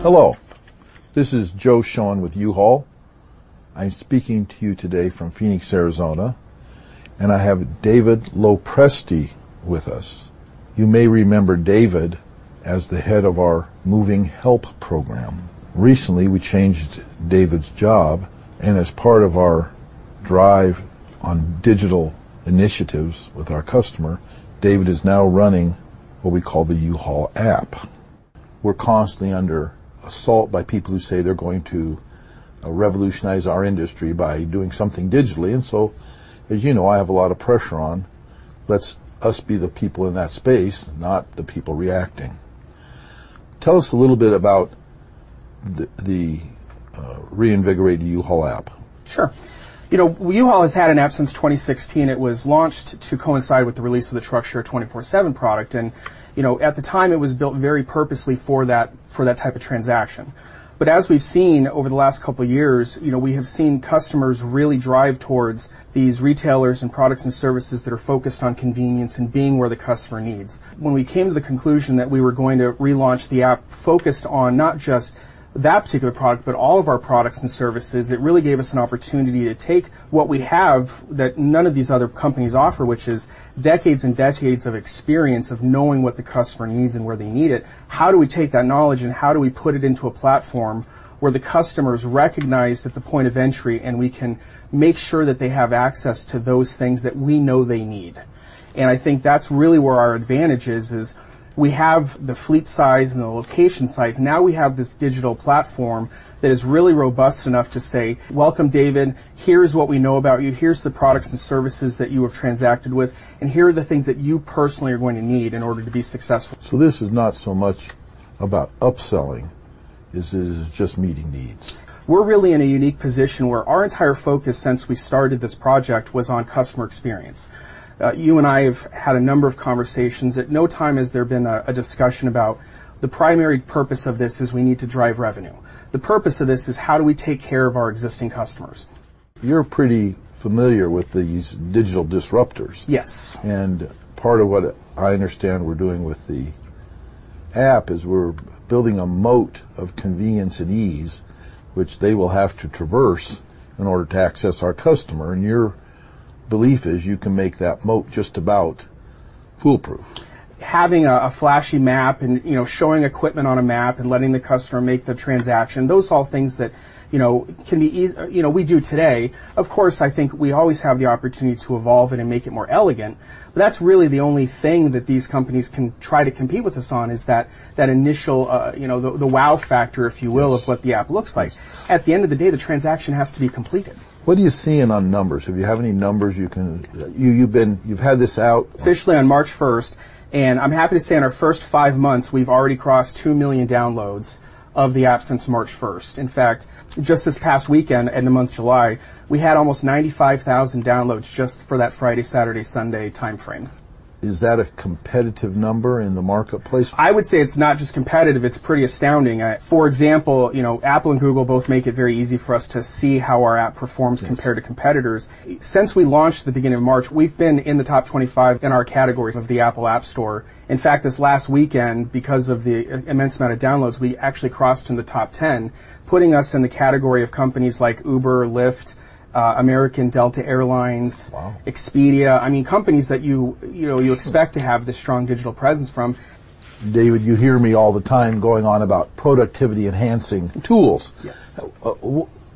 Hello, this is Joe Shoen with U-Haul. I'm speaking to you today from Phoenix, Arizona, and I have David LoPresti with us. You may remember David as the head of our Moving Help program. Recently, we changed David's job, and as part of our drive on digital initiatives with our customer, David is now running what we call the U-Haul app. We're constantly under assault by people who say they're going to revolutionize our industry by doing something digitally. As you know, I have a lot of pressure on, let's us be the people in that space, not the people reacting. Tell us a little bit about the, the reinvigorated U-Haul app. Sure. You know, U-Haul has had an app since 2016. It was launched to coincide with the release of the Truck Share 24/7 product, you know, at the time, it was built very purposely for that, for that type of transaction. As we've seen over the last couple of years, you know, we have seen customers really drive towards these retailers and products and services that are focused on convenience and being where the customer needs. When we came to the conclusion that we were going to relaunch the app focused on not just that particular product, but all of our products and services, it really gave us an opportunity to take what we have that none of these other companies offer, which is decades and decades of experience of knowing what the customer needs and where they need it. How do we take that knowledge, and how do we put it into a platform where the customer is recognized at the point of entry, and we can make sure that they have access to those things that we know they need? I think that's really where our advantage is, is we have the fleet size and the location size. Now, we have this digital platform that is really robust enough to say, "Welcome, David. Here is what we know about you. Here's the products and services that you have transacted with, and here are the things that you personally are going to need in order to be successful. This is not so much about upselling. This is just meeting needs. We're really in a unique position where our entire focus since we started this project was on customer experience. You and I have had a number of conversations. At no time has there been a discussion about the primary purpose of this is we need to drive revenue. The purpose of this is: how do we take care of our existing customers? You're pretty familiar with these digital disruptors. Yes. Part of what I understand we're doing with the app is we're building a moat of convenience and ease, which they will have to traverse in order to access our customer, and your belief is you can make that moat just about foolproof. Having a, a flashy map and, you know, showing equipment on a map and letting the customer make the transaction, those are all things that, you know, can be easy. You know, we do today. Of course, I think we always have the opportunity to evolve it and make it more elegant, but that's really the only thing that these companies can try to compete with us on, is that, that initial, you know, the, the wow factor, if you will- Yes -of what the app looks like. At the end of the day, the transaction has to be completed. What are you seeing on numbers? If you have any numbers you can. You've had this out- Officially on March 1st, I'm happy to say, in our first five months, we've already crossed two million downloads of the app since March 1st. In fact, just this past weekend, in the month of July, we had almost 95,000 downloads just for that Friday, Saturday, Sunday timeframe. Is that a competitive number in the marketplace? I would say it's not just competitive, it's pretty astounding. For example, you know, Apple and Google both make it very easy for us to see how our app performs. Yes. compared to competitors. Since we launched at the beginning of March, we've been in the top 25 in our categories of the Apple App Store. In fact, this last weekend, because of the immense amount of downloads, we actually crossed in the top 10, putting us in the category of companies like Uber, Lyft, American, Delta Air Lines. Wow! Expedia. I mean, companies that you, you know, you expect-. Sure. to have this strong digital presence from. David, you hear me all the time going on about productivity-enhancing tools. Yes.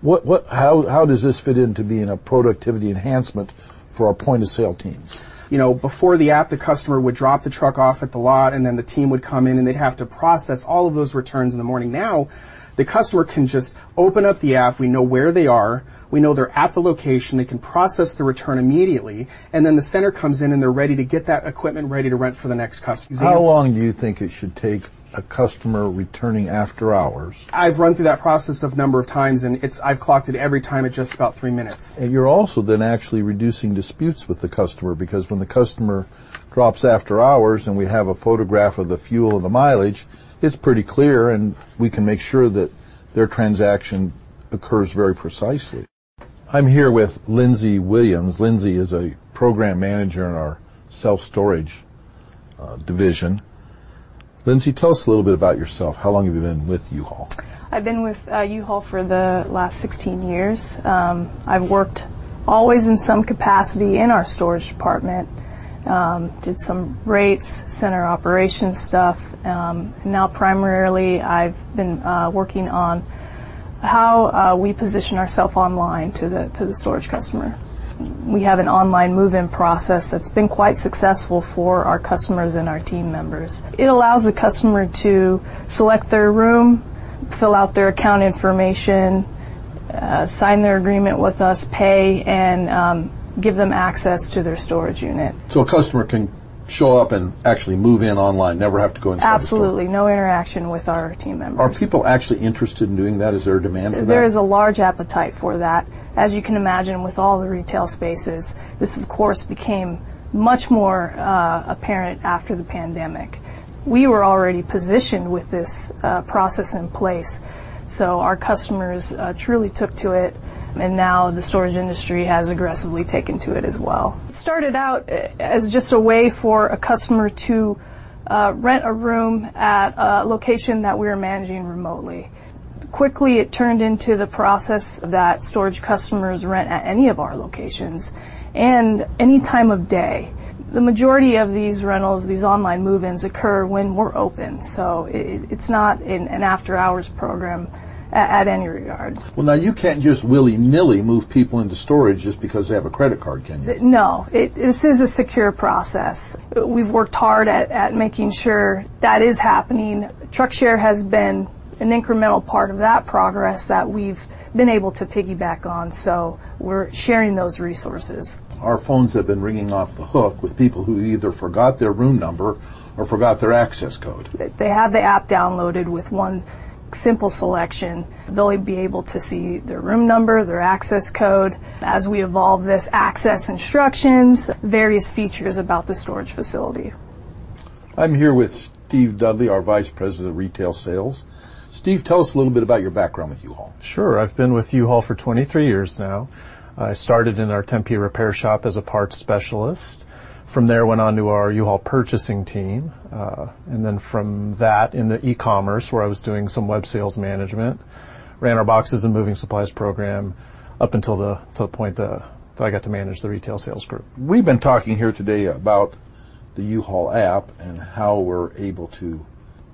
What, what, how, how does this fit into being a productivity enhancement for our point-of-sale teams? You know, before the app, the customer would drop the truck off at the lot, and then the team would come in, and they'd have to process all of those returns in the morning. Now, the customer can just open up the app. We know where they are. We know they're at the location. They can process the return immediately, and then the center comes in, and they're ready to get that equipment ready to rent for the next customer. How long do you think it should take a customer returning after hours? I've run through that process a number of times, and I've clocked it every time at just about three minutes. You're also then actually reducing disputes with the customer because when the customer drops after hours, and we have a photograph of the fuel and the mileage, it's pretty clear, and we can make sure that their transaction occurs very precisely. I'm here with Lindsay Williams. Lindsay is a program manager in our self-storage division. Lindsay, tell us a little bit about yourself. How long have you been with U-Haul? I've been with U-Haul for the last 16 years. I've worked always in some capacity in our storage department. Did some rates, center operations stuff. Now, primarily, I've been working on how we position ourself online to the, to the storage customer. We have an online move-in process that's been quite successful for our customers and our team members. It allows the customer to select their room, fill out their account information, sign their agreement with us, pay, and give them access to their storage unit. A customer can show up and actually move in online, never have to go inside the store? Absolutely, no interaction with our team members. Are people actually interested in doing that? Is there a demand for that? There is a large appetite for that. As you can imagine, with all the retail spaces, this, of course, became much more apparent after the pandemic. We were already positioned with this process in place. Our customers truly took to it. Now the storage industry has aggressively taken to it as well. It started out as just a way for a customer to rent a room at a location that we were managing remotely. Quickly, it turned into the process that storage customers rent at any of our locations, and any time of day. The majority of these rentals, these online move-ins, occur when we're open, so it's not an after-hours program at any regard. Well, now, you can't just willy-nilly move people into storage just because they have a credit card, can you? No, this is a secure process. We've worked hard at making sure that is happening. Truck Share has been an incremental part of that progress that we've been able to piggyback on. We're sharing those resources. Our phones have been ringing off the hook with people who either forgot their room number or forgot their access code. They, they have the app downloaded. With one simple selection, they'll be able to see their room number, their access code, as we evolve this, access instructions, various features about the storage facility. I'm here with Steve Dudley, our Vice President of Retail Sales. Steve, tell us a little bit about your background with U-Haul. Sure. I've been with U-Haul for 23 years now. I started in our Tempe repair shop as a parts specialist, from there, went on to our U-Haul purchasing team. Then from that, into e-commerce, where I was doing some web sales management, ran our boxes and moving supplies program up until the point that I got to manage the retail sales group. We've been talking here today about the U-Haul app and how we're able to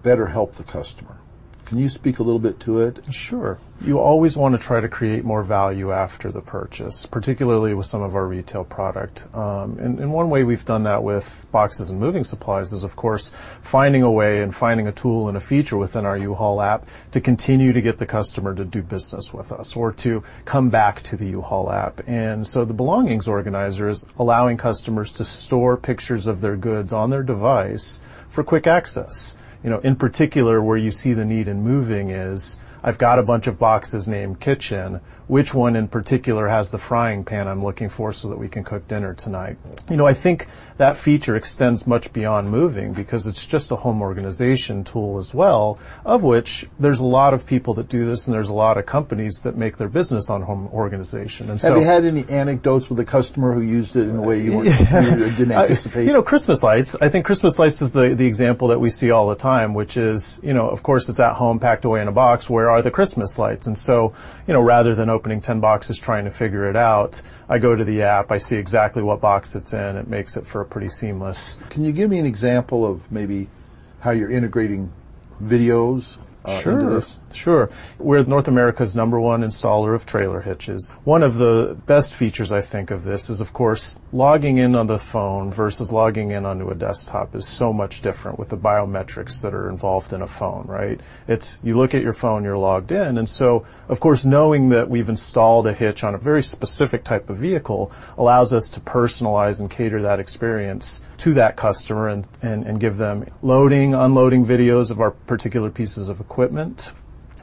better help the customer. Can you speak a little bit to it? Sure. You always wanna try to create more value after the purchase, particularly with some of our retail product. One way we've done that with boxes and moving supplies is, of course, finding a way and finding a tool and a feature within our U-Haul app to continue to get the customer to do business with us or to come back to the U-Haul app. So the belongings organizer is allowing customers to store pictures of their goods on their device for quick access. You know, in particular, where you see the need in moving is, I've got a bunch of boxes named Kitchen. Which one in particular has the frying pan I'm looking for so that we can cook dinner tonight? You know, I think that feature extends much beyond moving because it's just a home organization tool as well, of which there's a lot of people that do this, and there's a lot of companies that make their business on home organization. Have you had any anecdotes with a customer who used it in a way you weren't, you didn't anticipate? Yeah. You know, Christmas lights. I think Christmas lights is the, the example that we see all the time, which is, you know, of course, it's at home, packed away in a box. Where are the Christmas lights? So, you know, rather than opening 10 boxes trying to figure it out, I go to the app. I see exactly what box it's in. It makes for a pretty seamless. Can you give me an example of maybe how you're integrating videos, into this? Sure, sure. We're North America's number one installer of trailer hitches. One of the best features, I think, of this is, of course, logging in on the phone versus logging in onto a desktop is so much different with the biometrics that are involved in a phone, right? It's, you look at your phone, you're logged in. So of course, knowing that we've installed a hitch on a very specific type of vehicle allows us to personalize and cater that experience to that customer and give them loading, unloading videos of our particular pieces of equipment,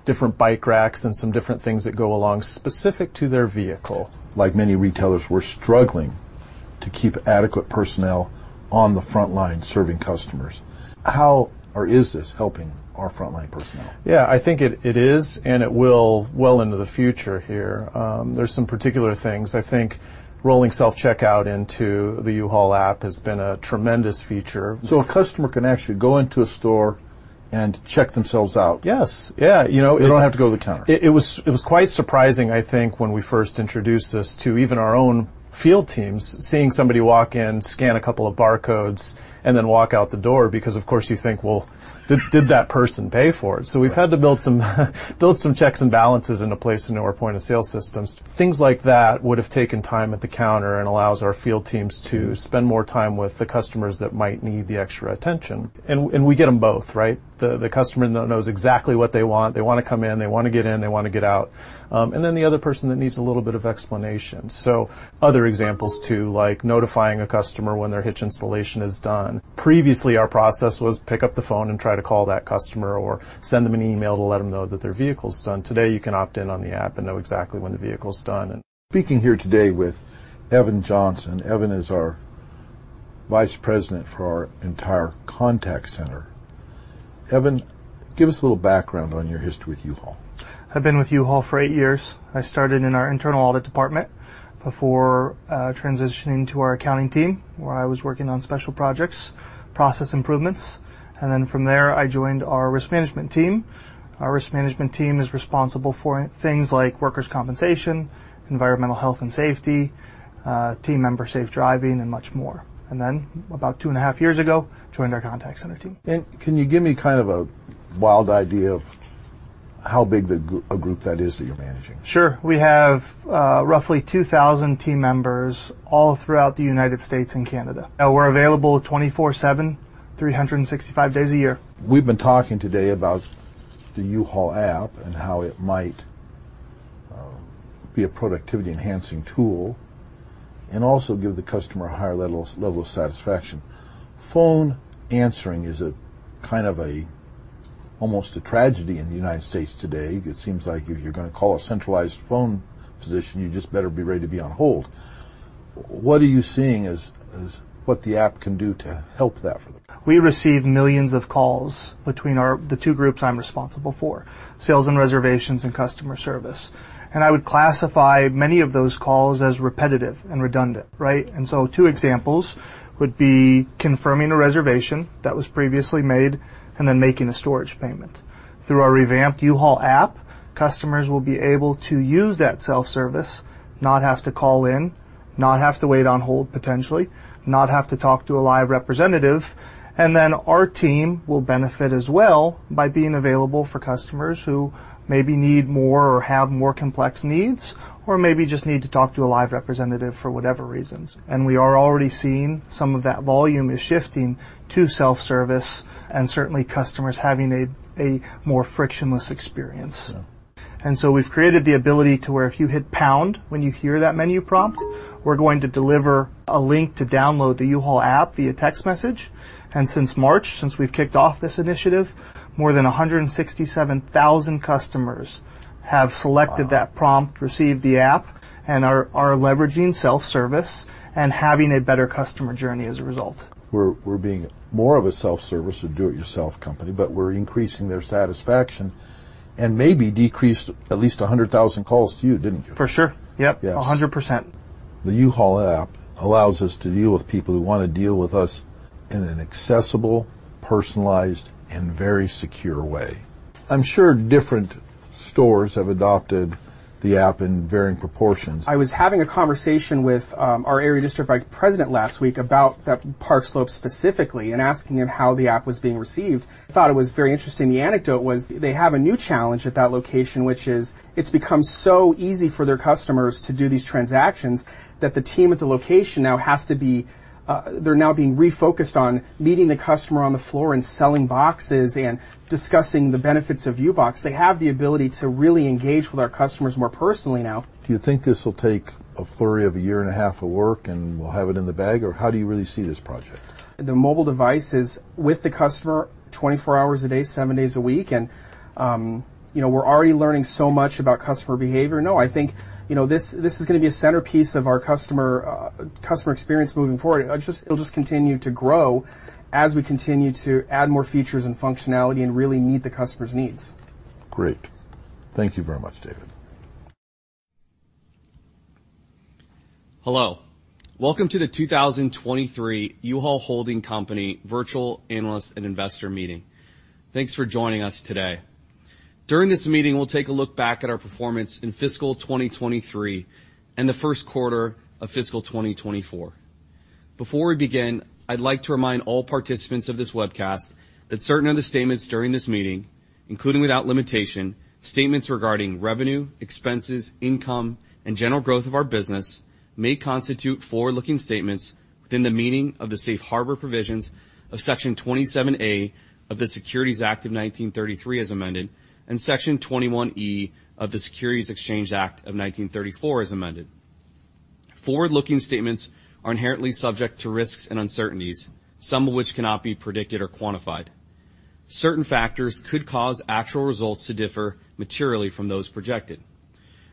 different bike racks, and some different things that go along, specific to their vehicle. Like many retailers, we're struggling to keep adequate personnel on the front line, serving customers. How or is this helping our front-line personnel? Yeah, I think it, it is, and it will well into the future here. There's some particular things. I think rolling self-checkout into the U-Haul app has been a tremendous feature. A customer can actually go into a store and check themselves out? Yes. Yeah, you know. They don't have to go to the counter. It was quite surprising, I think, when we first introduced this to even our own field teams, seeing somebody walk in, scan a couple of barcodes, and then walk out the door, because of course, you think, "Well, did that person pay for it? Right. We've had to build some checks and balances into place into our point-of-sale systems. Things like that would've taken time at the counter and allows our field teams to spend more time with the customers that might need the extra attention, and, and we get 'em both, right? The customer knows exactly what they want. They wanna come in, they wanna get in, they wanna get out. The other person that needs a little bit of explanation, other examples, too, like notifying a customer when their hitch installation is done. Previously, our process was pick up the phone and try to call that customer or send them an email to let 'em know that their vehicle's done. Today, you can opt in on the app and know exactly when the vehicle's done. Speaking here today with Evan Johnson. Evan is our Vice President for our entire contact center. Evan, give us a little background on your history with U-Haul. I've been with U-Haul for eight years. I started in our internal audit department before transitioning to our accounting team, where I was working on special projects, process improvements, and then from there, I joined our risk management team. Our risk management team is responsible for things like workers' compensation, environmental health and safety, team member safe driving, and much more, and then, about 2.5 years ago, joined our contact center team. Can you give me kind of a wild idea of how big the group that is, that you're managing? Sure. We have roughly 2,000 team members all throughout the United States and Canada. We're available 24/7, 365 days a year. We've been talking today about the U-Haul app and how it might be a productivity-enhancing tool and also give the customer a higher level, level of satisfaction. Phone answering is a kind of almost a tragedy in the United States today. It seems like if you're gonna call a centralized phone position, you just better be ready to be on hold. What are you seeing as, as what the app can do to help that for them? We receive millions of calls between our, the two groups I'm responsible for, sales and reservations and customer service. I would classify many of those calls as repetitive and redundant, right? Two examples would be confirming a reservation that was previously made and then making a storage payment. Through our revamped U-Haul app, customers will be able to use that self-service, not have to call in, not have to wait on hold, potentially, not have to talk to a live representative. Our team will benefit as well by being available for customers who maybe need more or have more complex needs, or maybe just need to talk to a live representative for whatever reasons. We are already seeing some of that volume is shifting to self-service, and certainly customers having a, a more frictionless experience. Yeah. We've created the ability to where if you hit pound, when you hear that menu prompt, we're going to deliver a link to download the U-Haul app via text message. Since March, since we've kicked off this initiative, more than 167,000 customers have selected. Wow! that prompt, received the app, and are, are leveraging self-service and having a better customer journey as a result. We're being more of a self-service or do-it-yourself company, but we're increasing their satisfaction and maybe decreased at least 100,000 calls to you, didn't you? For sure. Yep. Yes. 100%. The U-Haul app allows us to deal with people who want to deal with us in an accessible, personalized, and very secure way. I'm sure different stores have adopted the app in varying proportions. I was having a conversation with our area district vice president last week about that Park Slope specifically, and asking him how the app was being received. I thought it was very interesting. The anecdote was, they have a new challenge at that location, which is, it's become so easy for their customers to do these transactions, that the team at the location now has to be. They're now being refocused on meeting the customer on the floor and selling boxes and discussing the benefits of U-Box. They have the ability to really engage with our customers more personally now. Do you think this will take a flurry of a year and 1/2 of work, and we'll have it in the bag? How do you really see this project? The mobile device is with the customer 24 hours a day, seven days a week, and, you know, we're already learning so much about customer behavior. No, I think, you know, this, this is going to be a centerpiece of our customer, customer experience moving forward. It'll just continue to grow as we continue to add more features and functionality and really meet the customer's needs. Great. Thank you very much, David. Hello. Welcome to the 2023 U-Haul Holding Company Virtual Analyst and Investor Meeting. Thanks for joining us today. During this meeting, we'll take a look back at our performance in fiscal 2023 and the first quarter of fiscal 2024. Before we begin, I'd like to remind all participants of this webcast, that certain of the statements during this meeting, including without limitation, statements regarding revenue, expenses, income, and general growth of our business, may constitute forward-looking statements within the meaning of the safe harbor provisions of Section 27A of the Securities Act of 1933, as amended, and Section 21E of the Securities Exchange Act of 1934, as amended. Forward-looking statements are inherently subject to risks and uncertainties, some of which cannot be predicted or quantified. Certain factors could cause actual results to differ materially from those projected.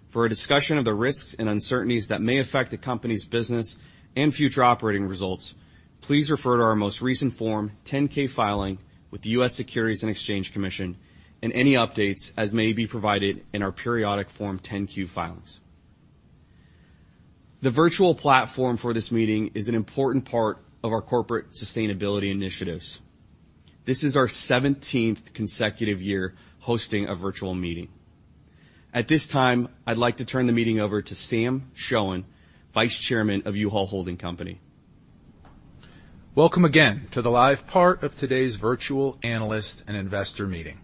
For a discussion of the risks and uncertainties that may affect the company's business and future operating results, please refer to our most recent Form 10-K filing with the U.S. Securities and Exchange Commission, and any updates as may be provided in our periodic Form 10-Q filings. The virtual platform for this meeting is an important part of our corporate sustainability initiatives. This is our 17th consecutive year hosting a virtual meeting. At this time, I'd like to turn the meeting over to Sam Shoen, Vice Chairman of U-Haul Holding Company. Welcome again to the live part of today's Virtual Analyst and Investor Meeting.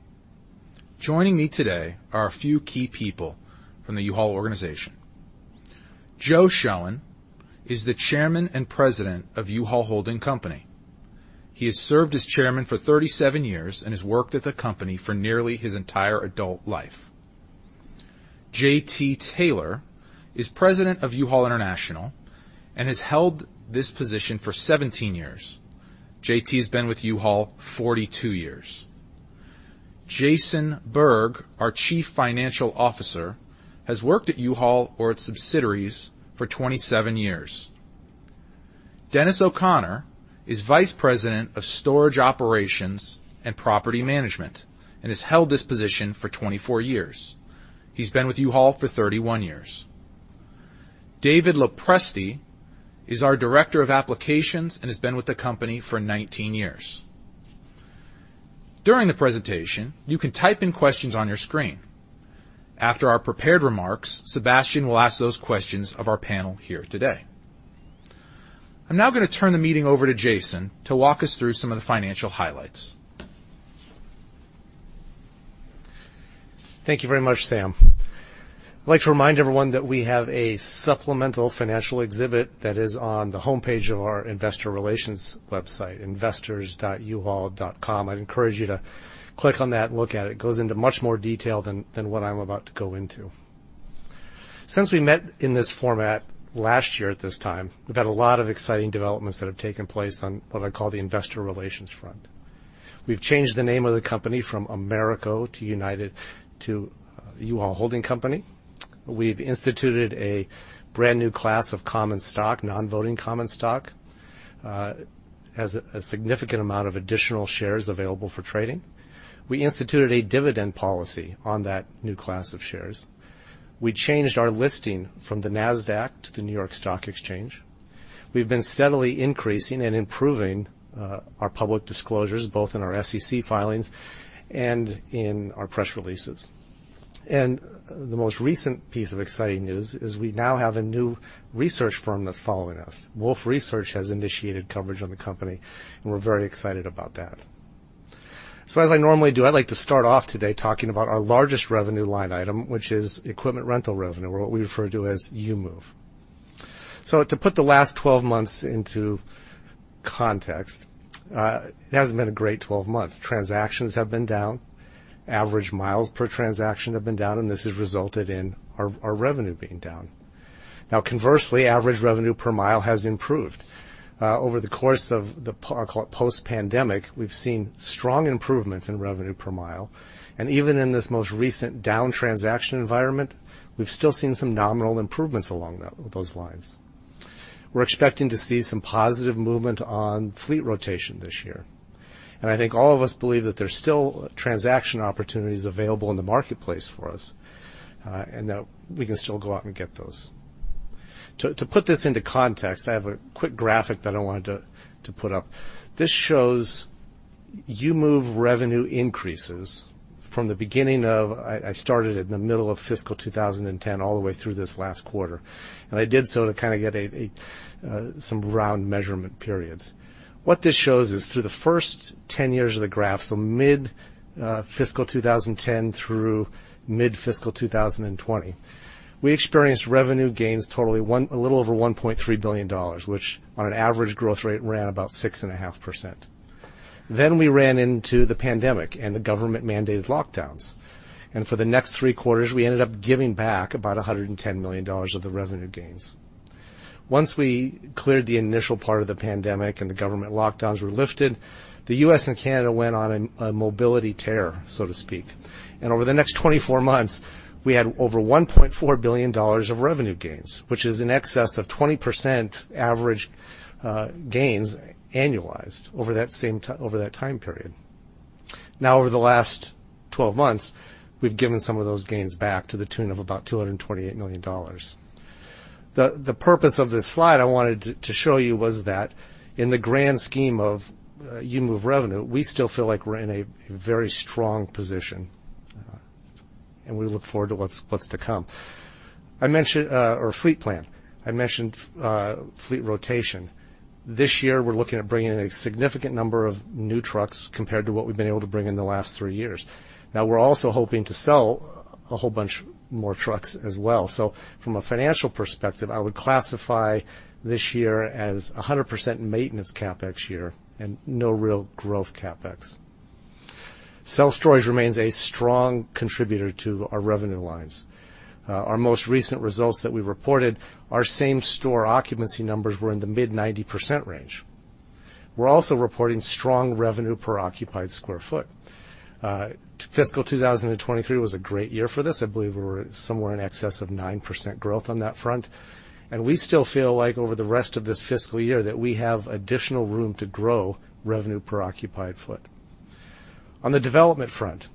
Joining me today are a few key people from the U-Haul organization. Joe Shoen is the Chairman and President of U-Haul Holding Company. He has served as chairman for 37 years and has worked at the company for nearly his entire adult life. JT Taylor is President of U-Haul International and has held this position for 17 years. JT has been with U-Haul 42 years. Jason Berg, our Chief Financial Officer, has worked at U-Haul or its subsidiaries for 27 years. Dennis O'Connor is Vice President of Storage Operations and Property Management and has held this position for 24 years. He's been with U-Haul for 31 years. David LoPresti is our Director of Applications and has been with the company for 19 years. During the presentation, you can type in questions on your screen. After our prepared remarks, Sebastien will ask those questions of our panel here today. I'm now going to turn the meeting over to Jason to walk us through some of the financial highlights. Thank you very much, Sam. I'd like to remind everyone that we have a supplemental financial exhibit that is on the homepage of our investor relations website, investors.uhaul.com. I'd encourage you to click on that and look at it. It goes into much more detail than what I'm about to go into. Since we met in this format last year at this time, we've had a lot of exciting developments that have taken place on what I call the investor relations front. We've changed the name of the company from AMERCO to U-Haul Holding Company. We've instituted a brand new class of common stock, non-voting common stock has a significant amount of additional shares available for trading. We instituted a dividend policy on that new class of shares. We changed our listing from the Nasdaq to the New York Stock Exchange. We've been steadily increasing and improving our public disclosures, both in our SEC filings and in our press releases. The most recent piece of exciting news is we now have a new research firm that's following us. Wolfe Research has initiated coverage on the company, and we're very excited about that. As I normally do, I'd like to start off today talking about our largest revenue line item, which is equipment rental revenue, or what we refer to as U-Move. To put the last 12 months into context, it hasn't been a great 12 months. Transactions have been down, average miles per transaction have been down, and this has resulted in our revenue being down. Now, conversely, average revenue per mile has improved. Over the course of the post-pandemic, we've seen strong improvements in revenue per mile, and even in this most recent down transaction environment, we've still seen some nominal improvements along those lines. We're expecting to see some positive movement on fleet rotation this year, and I think all of us believe that there's still transaction opportunities available in the marketplace for us, and that we can still go out and get those. To, to put this into context, I have a quick graphic that I wanted to, to put up. This shows U-Move revenue increases from the beginning of. I, I started it in the middle of fiscal 2010, all the way through this last quarter. I did so to kind of get some round measurement periods. What this shows is through the first 10 years of the graph, so mid-fiscal 2010 through mid-fiscal 2020, we experienced revenue gains totaling a little over $1.3 billion, which on an average growth rate, ran about 6.5%. We ran into the pandemic and the government-mandated lockdowns, and for the next three quarters, we ended up giving back about $110 million of the revenue gains. Once we cleared the initial part of the pandemic and the government lockdowns were lifted, the U.S. and Canada went on a mobility tear, so to speak, and over the next 24 months, we had over $1.4 billion of revenue gains, which is in excess of 20% average gains, annualized over that same time period. Over the last 12 months, we've given some of those gains back to the tune of about $228 million. The purpose of this slide I wanted to show you was that in the grand scheme of U-Move revenue, we still feel like we're in a very strong position, and we look forward to what's to come. I mentioned or fleet plan. I mentioned fleet rotation. This year, we're looking at bringing in a significant number of new trucks compared to what we've been able to bring in the last three years. We're also hoping to sell a whole bunch more trucks as well. From a financial perspective, I would classify this year as a 100% maintenance CapEx year and no real growth CapEx. Self-storage remains a strong contributor to our revenue lines. Our most recent results that we reported, our same-store occupancy numbers were in the mid-90% range. We're also reporting strong revenue per occupied square foot. Fiscal 2023 was a great year for this. I believe we were somewhere in excess of 9% growth on that front, and we still feel like over the rest of this fiscal year, that we have additional room to grow revenue per occupied foot. On the development front,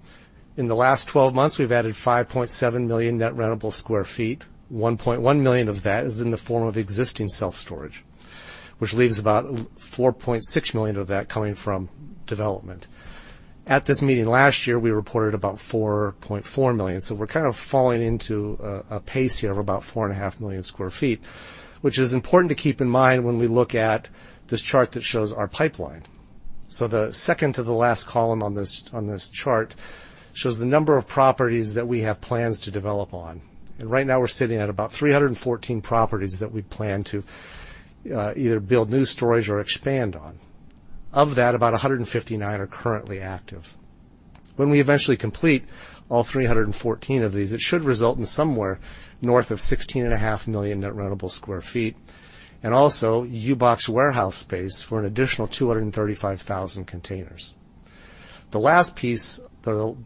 in the last 12 months, we've added 5.7 million net rentable square feet. 1.1 million of that is in the form of existing self-storage, which leaves about 4.6 million of that coming from development. At this meeting last year, we reported about 4.4 million. We're kind of falling into a, a pace here of about 4.5 million sq ft, which is important to keep in mind when we look at this chart that shows our pipeline. The second to the last column on this, on this chart shows the number of properties that we have plans to develop on. Right now, we're sitting at about 314 properties that we plan to either build new storage or expand on. Of that, about 159 are currently active. When we eventually complete all 314 of these, it should result in somewhere north of 16.5 million net rentable square feet, and also U-Box warehouse space for an additional 235,000 containers. The last piece, the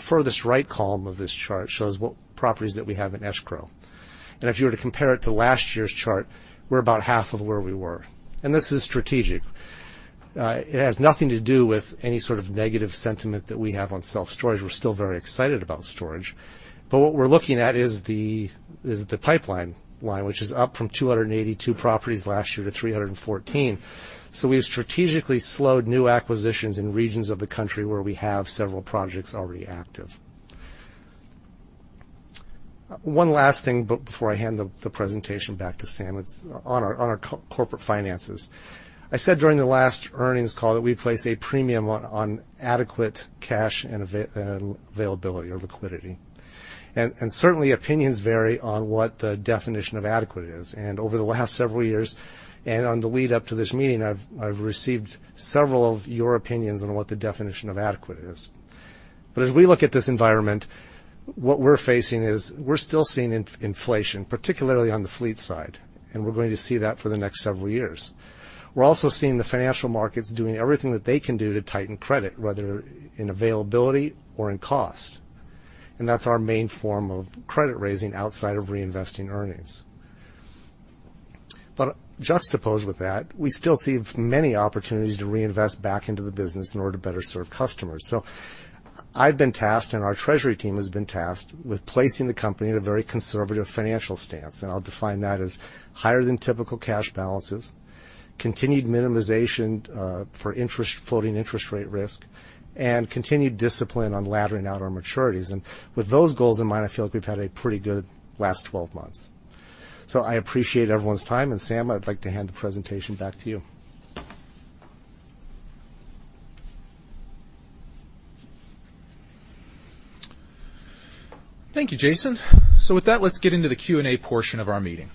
furthest right column of this chart, shows what properties that we have in escrow. If you were to compare it to last year's chart, we're about half of where we were, and this is strategic. It has nothing to do with any sort of negative sentiment that we have on self-storage. We're still very excited about storage, but what we're looking at is the, is the pipeline line, which is up from 282 properties last year to 314. We've strategically slowed new acquisitions in regions of the country where we have several projects already active. One last thing before I hand the presentation back to Sam, it's on our corporate finances. I said during the last earnings call that we place a premium on adequate cash and availability or liquidity. Certainly, opinions vary on what the definition of adequate is. Over the last several years, and on the lead-up to this meeting, I've received several of your opinions on what the definition of adequate is. As we look at this environment, what we're facing is we're still seeing inflation, particularly on the fleet side, and we're going to see that for the next several years. We're also seeing the financial markets doing everything that they can do to tighten credit, whether in availability or in cost, and that's our main form of credit raising outside of reinvesting earnings. Juxtaposed with that, we still see many opportunities to reinvest back into the business in order to better serve customers. I've been tasked, and our treasury team has been tasked, with placing the company in a very conservative financial stance, and I'll define that as higher than typical cash balances, continued minimization for floating interest rate risk, and continued discipline on laddering out our maturities. With those goals in mind, I feel like we've had a pretty good last 12 months. I appreciate everyone's time, and, Sam, I'd like to hand the presentation back to you. Thank you, Jason. With that, let's get into the Q&A portion of our meeting.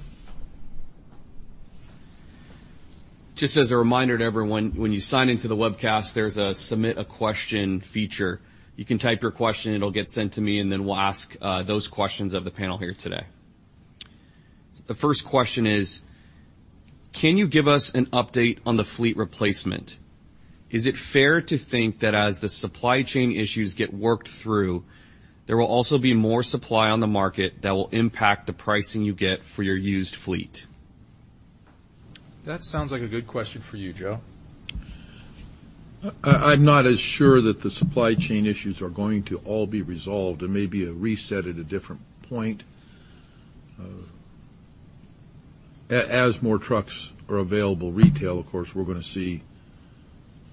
Just as a reminder to everyone, when you sign into the webcast, there's a Submit a Question feature. You can type your question, it'll get sent to me, then we'll ask those questions of the panel here today. The first question is: Can you give us an update on the fleet replacement? Is it fair to think that as the supply chain issues get worked through, there will also be more supply on the market that will impact the pricing you get for your used fleet? That sounds like a good question for you, Joe. I, I'm not as sure that the supply chain issues are going to all be resolved. There may be a reset at a different point. As more trucks are available retail, of course, we're going to see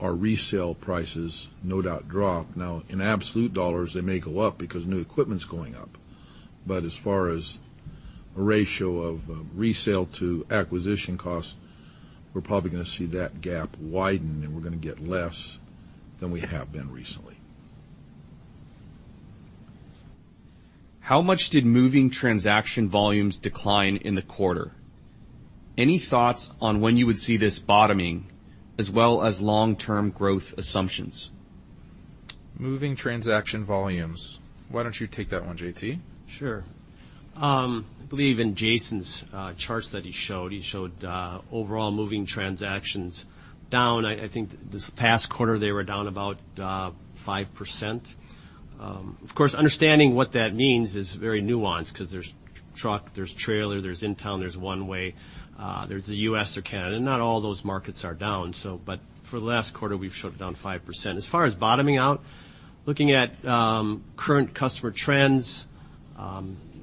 our resale prices no doubt drop. Now, in absolute dollars, they may go up because new equipment's going up, but as far as a ratio of resale to acquisition costs, we're probably going to see that gap widen, and we're going to get less than we have been recently. How much did moving transaction volumes decline in the quarter? Any thoughts on when you would see this bottoming, as well as long-term growth assumptions? Moving transaction volumes. Why don't you take that one, JT? Sure. I believe in Jason's charts that he showed, he showed overall moving transactions down. I, I think this past quarter, they were down about 5%. Of course, understanding what that means is very nuanced because there's truck, there's trailer, there's in-town, there's one-way, there's the U.S. or Canada. Not all those markets are down, so but for the last quarter, we've showed it down 5%. As far as bottoming out, looking at current customer trends,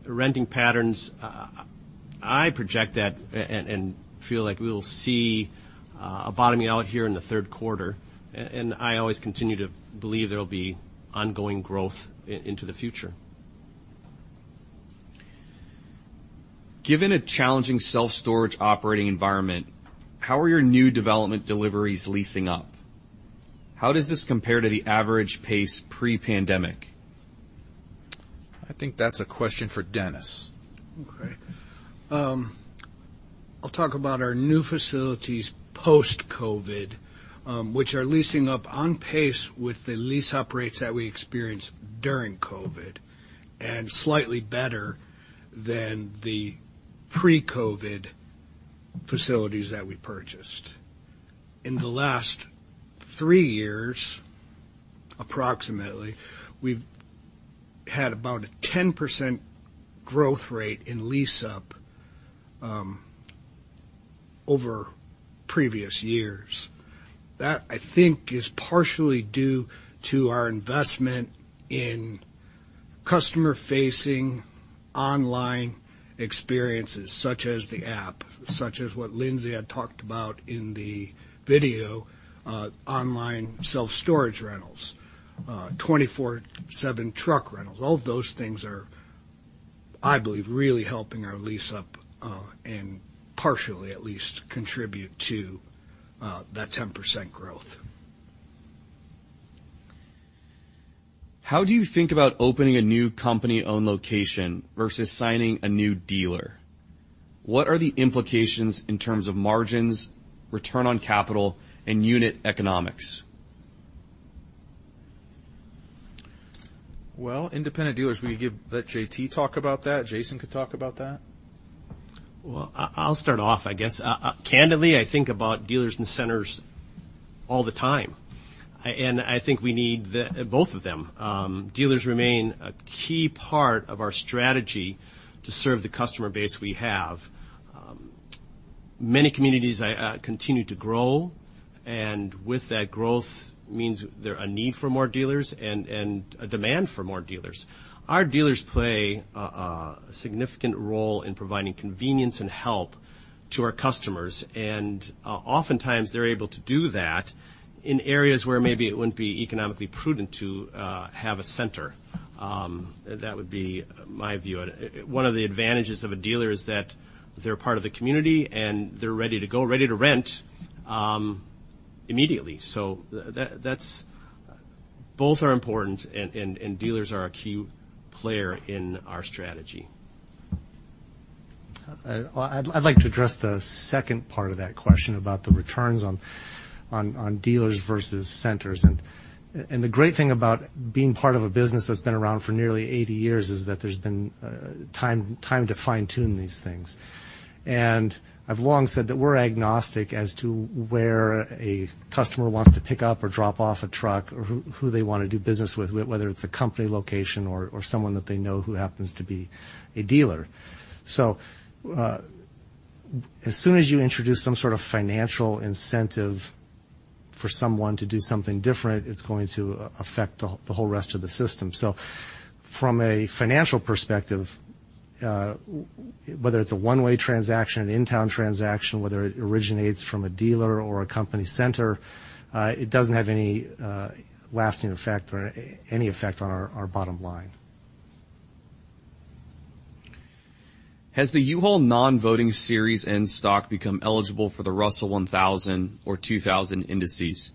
renting patterns, I project that and feel like we will see a bottoming out here in the third quarter. I always continue to believe there will be ongoing growth into the future. Given a challenging self-storage operating environment, how are your new development deliveries leasing up? How does this compare to the average pace pre-pandemic? I think that's a question for Dennis. Okay. I'll talk about our new facilities post-COVID, which are leasing up on pace with the lease-up rates that we experienced during COVID, and slightly better than the pre-COVID facilities that we purchased. In the last three years, approximately, we've had about a 10% growth rate in lease-up over previous years. That, I think, is partially due to our investment in customer-facing online experiences, such as the app, such as what Lindsay had talked about in the video, online self-storage rentals, 24/7 truck rentals. All of those things are, I believe, really helping our lease-up, and partially at least, contribute to that 10% growth. How do you think about opening a new company-owned location versus signing a new dealer? What are the implications in terms of margins, return on capital, and unit economics? Well, independent dealers, let JT talk about that. Jason could talk about that. Well, I, I'll start off, I guess. Candidly, I think about dealers and centers all the time, and I think we need the both of them. Dealers remain a key part of our strategy to serve the customer base we have. Many communities continue to grow, and with that growth means there a need for more dealers and a demand for more dealers. Our dealers play a, a significant role in providing convenience and help to our customers, and oftentimes they're able to do that in areas where maybe it wouldn't be economically prudent to have a center. That would be my view. One of the advantages of a dealer is that they're part of the community, and they're ready to go, ready to rent, immediately. That's both are important, and dealers are a key player in our strategy.. I'd like to address the second part of that question about the returns on dealers versus centers. The great thing about being part of a business that's been around for nearly 80 years, is that there's been time to fine-tune these things. I've long said that we're agnostic as to where a customer wants to pick up or drop off a truck, or who they want to do business with, whether it's a company location or someone that they know who happens to be a dealer. As soon as you introduce some sort of financial incentive for someone to do something different, it's going to affect the whole rest of the system. From a financial perspective, whether it's a one-way transaction, an in-town transaction, whether it originates from a dealer or a company center, it doesn't have any lasting effect or any effect on our, our bottom line. Has the U-Haul non-voting Series N stock become eligible for the Russell 1,000 or 2,000 indices?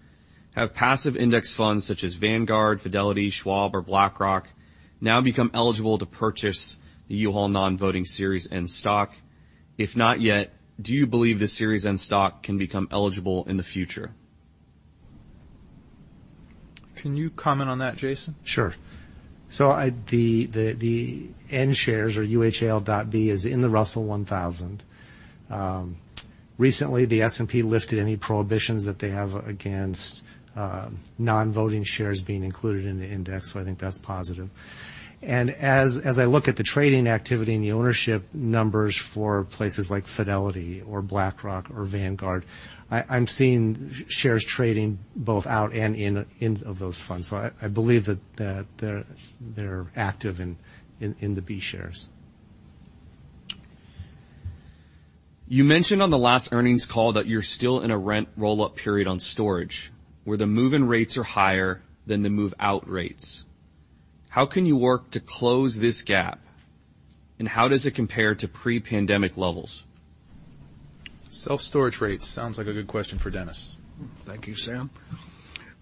Have passive index funds such as Vanguard, Fidelity, Schwab, or BlackRock now become eligible to purchase the U-Haul non-voting Series N stock? If not yet, do you believe the Series N stock can become eligible in the future? Can you comment on that, Jason? The N shares, or UHAL.B, is in the Russell 1,000. Recently, the S&P lifted any prohibitions that they have against non-voting shares being included in the index, I think that's positive. As I look at the trading activity and the ownership numbers for places like Fidelity or BlackRock or Vanguard, I'm seeing shares trading both out and in of those funds. I believe that they're active in the B shares. You mentioned on the last earnings call that you're still in a rent roll-up period on storage, where the move-in rates are higher than the move-out rates. How can you work to close this gap, and how does it compare to pre-pandemic levels? Self-storage rates. Sounds like a good question for Dennis. Thank you, Sam.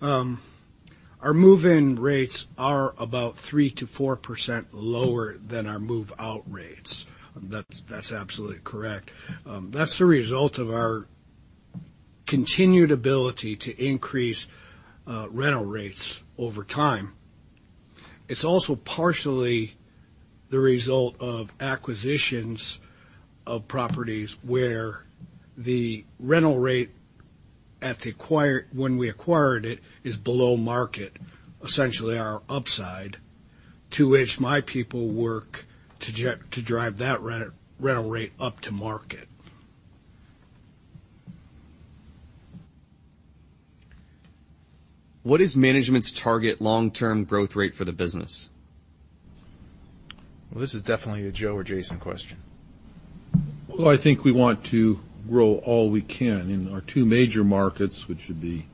Our move-in rates are about 3%-4% lower than our move-out rates. That's, that's absolutely correct. That's the result of our continued ability to increase rental rates over time. It's also partially the result of acquisitions of properties, where the rental rate at the when we acquired it, is below market, essentially our upside, to which my people work to drive that rental rate up to market. What is management's target long-term growth rate for the business? Well, this is definitely a Joe or Jason question. Well, I think we want to grow all we can. In our two major markets, which would be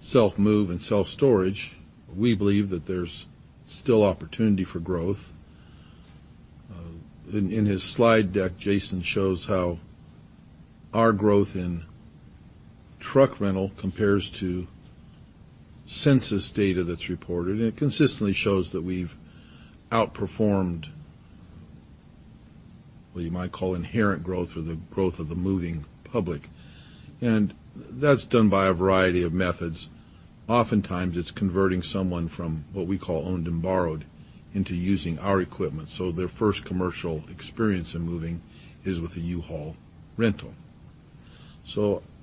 self-move and self-storage, we believe that there's still opportunity for growth. In his slide deck, Jason shows how our growth in truck rental compares to census data that's reported, and it consistently shows that we've outperformed what you might call inherent growth or the growth of the moving public. That's done by a variety of methods. Oftentimes, it's converting someone from what we call Owned and Borrowed into using our equipment, so their first commercial experience in moving is with a U-Haul rental.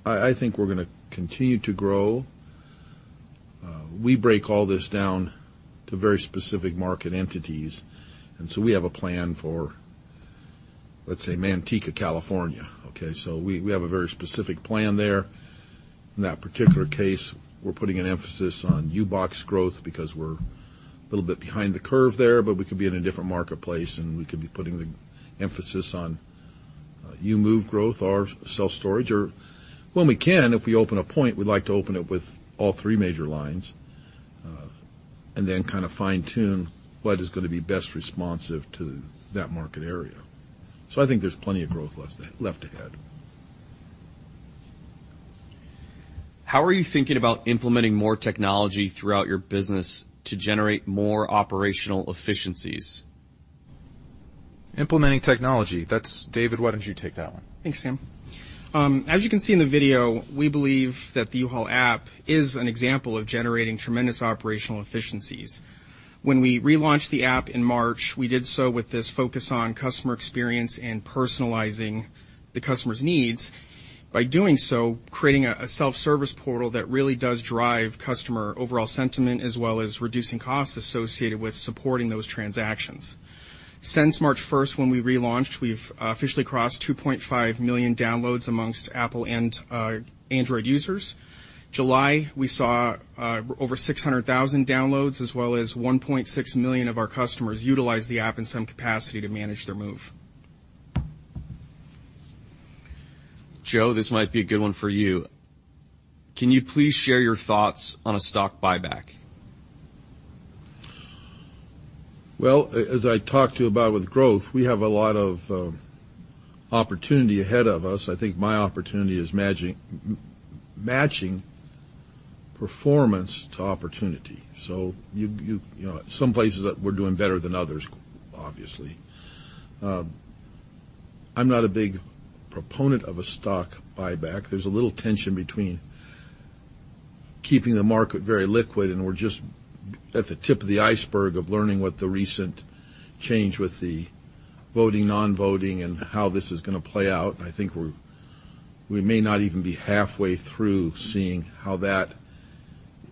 I think we're gonna continue to grow. We break all this down to very specific market entities, so we have a plan for, let's say, Manteca, California, okay? We have a very specific plan there. In that particular case, we're putting an emphasis on U-Box growth because we're a little bit behind the curve there, but we could be in a different marketplace, and we could be putting the emphasis on U-Move growth or self-storage or. When we can, if we open a point, we'd like to open it with all three major lines, and then kind of fine-tune what is gonna be best responsive to that market area. I think there's plenty of growth left, left ahead. How are you thinking about implementing more technology throughout your business to generate more operational efficiencies? Implementing technology. That's. David, why don't you take that one? Thanks, Sam. As you can see in the video, we believe that the U-Haul app is an example of generating tremendous operational efficiencies. When we relaunched the app in March, we did so with this focus on customer experience and personalizing the customer's needs. By doing so, creating a self-service portal that really does drive customer overall sentiment, as well as reducing costs associated with supporting those transactions. Since March 1st, when we relaunched, we've officially crossed 2.5 million downloads amongst Apple and Android users. July, we saw over 600,000 downloads, as well as 1.6 million of our customers utilize the app in some capacity to manage their move. Joe, this might be a good one for you. Can you please share your thoughts on a stock buyback? As I talked to you about with growth, we have a lot of opportunity ahead of us. I think my opportunity is matching performance to opportunity. You, you, you know, some places that we're doing better than others, obviously. I'm not a big proponent of a stock buyback. There's a little tension between keeping the market very liquid, and we're just at the tip of the iceberg of learning what the recent change with the voting, non-voting, and how this is gonna play out. I think we may not even be halfway through seeing how that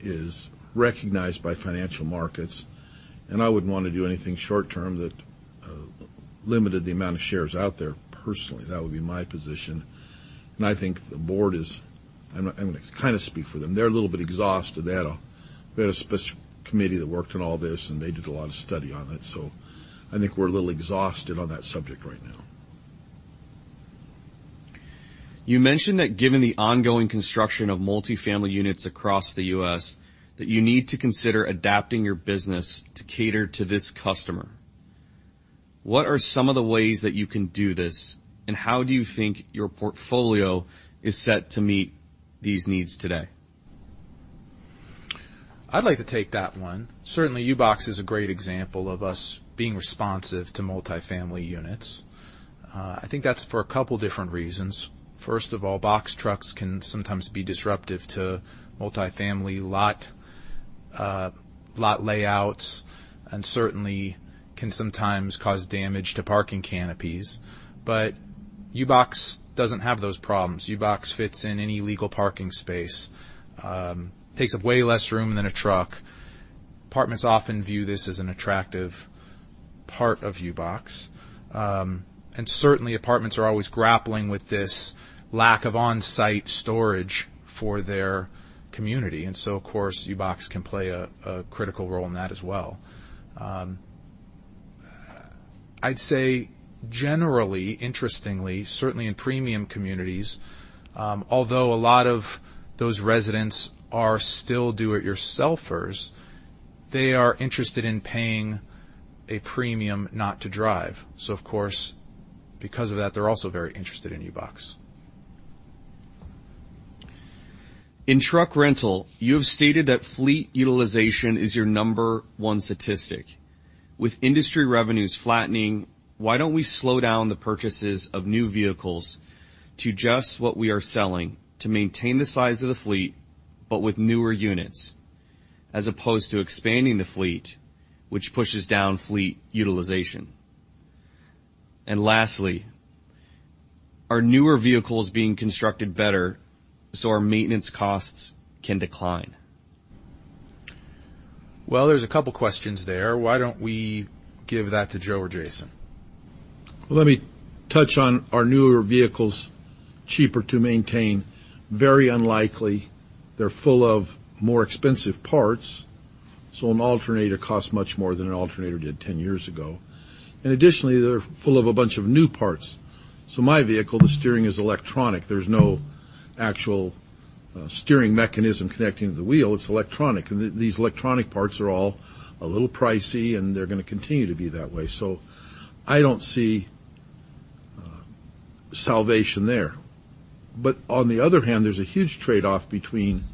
is recognized by financial markets, and I wouldn't want to do anything short term that limited the amount of shares out there. Personally, that would be my position. I think the board is. I'm, I'm gonna kind of speak for them. They're a little bit exhausted. They had a special committee that worked on all this, and they did a lot of study on it. I think we're a little exhausted on that subject right now. You mentioned that given the ongoing construction of multifamily units across the U.S., that you need to consider adapting your business to cater to this customer. What are some of the ways that you can do this, and how do you think your portfolio is set to meet these needs today? I'd like to take that one. Certainly, U-Box is a great example of us being responsive to multifamily units. I think that's for a couple different reasons. First of all, box trucks can sometimes be disruptive to multifamily lot, lot layouts, and certainly can sometimes cause damage to parking canopies. U-Box doesn't have those problems. U-Box fits in any legal parking space, takes up way less room than a truck. Apartments often view this as an attractive part of U-Box. Certainly, apartments are always grappling with this lack of on-site storage for their community, and so, of course, U-Box can play a, a critical role in that as well. I'd say generally, interestingly, certainly in premium communities, although a lot of those residents are still do-it-yourselfers, they are interested in paying a premium not to drive. Of course, because of that, they're also very interested in U-Box. In truck rental, you have stated that fleet utilization is your number one statistic. With industry revenues flattening, why don't we slow down the purchases of new vehicles to just what we are selling to maintain the size of the fleet, but with newer units, as opposed to expanding the fleet, which pushes down fleet utilization? Lastly, are newer vehicles being constructed better so our maintenance costs can decline? Well, there's a couple questions there. Why don't we give that to Joe or Jason? Let me touch on, are newer vehicles cheaper to maintain? Very unlikely. They're full of more expensive parts, so an alternator costs much more than an alternator did 10 years ago. Additionally, they're full of a bunch of new parts. My vehicle, the steering is electronic. There's no actual steering mechanism connecting to the wheel. It's electronic. These electronic parts are all a little pricey, and they're gonna continue to be that way. I don't see salvation there. On the other hand, there's a huge trade-off between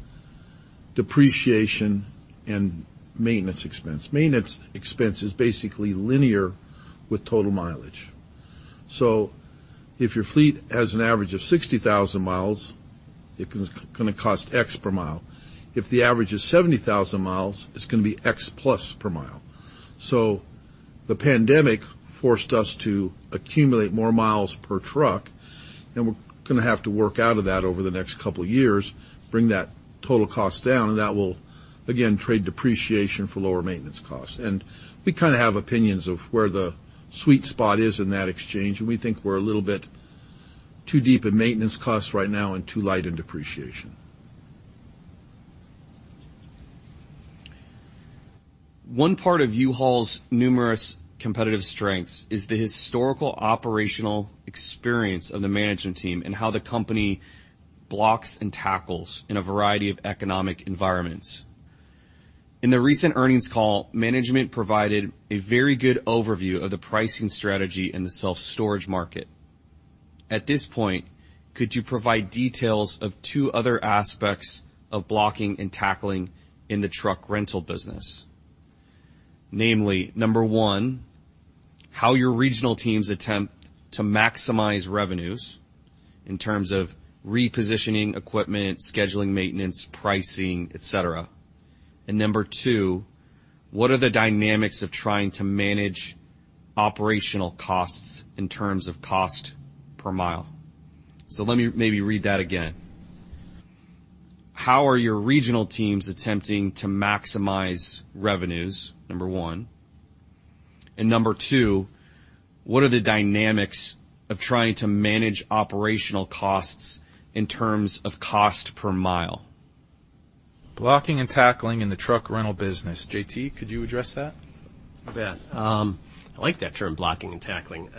depreciation and maintenance expense. Maintenance expense is basically linear with total mileage. If your fleet has an average of 60,000 mi, it is gonna cost X per mile. If the average is 70,000 mi, it's gonna be X plus per mile. The pandemic forced us to accumulate more miles per truck, and we're gonna have to work out of that over the next couple of years, bring that total cost down, and that will, again, trade depreciation for lower maintenance costs. We kinda have opinions of where the sweet spot is in that exchange, and we think we're a little bit too deep in maintenance costs right now and too light in depreciation. One part of U-Haul's numerous competitive strengths is the historical operational experience of the management team and how the company blocks and tackles in a variety of economic environments. In the recent earnings call, management provided a very good overview of the pricing strategy in the self-storage market. At this point, could you provide details of two other aspects of blocking and tackling in the truck rental business? Namely, number one, how your regional teams attempt to maximize revenues in terms of repositioning equipment, scheduling maintenance, pricing, et cetera. And number two, what are the dynamics of trying to manage operational costs in terms of cost per mile? Let me maybe read that again. How are your regional teams attempting to maximize revenues, number one? And number two, what are the dynamics of trying to manage operational costs in terms of cost per mile? Blocking and tackling in the truck rental business. JT, could you address that? You bet. I like that term, blocking and tackling.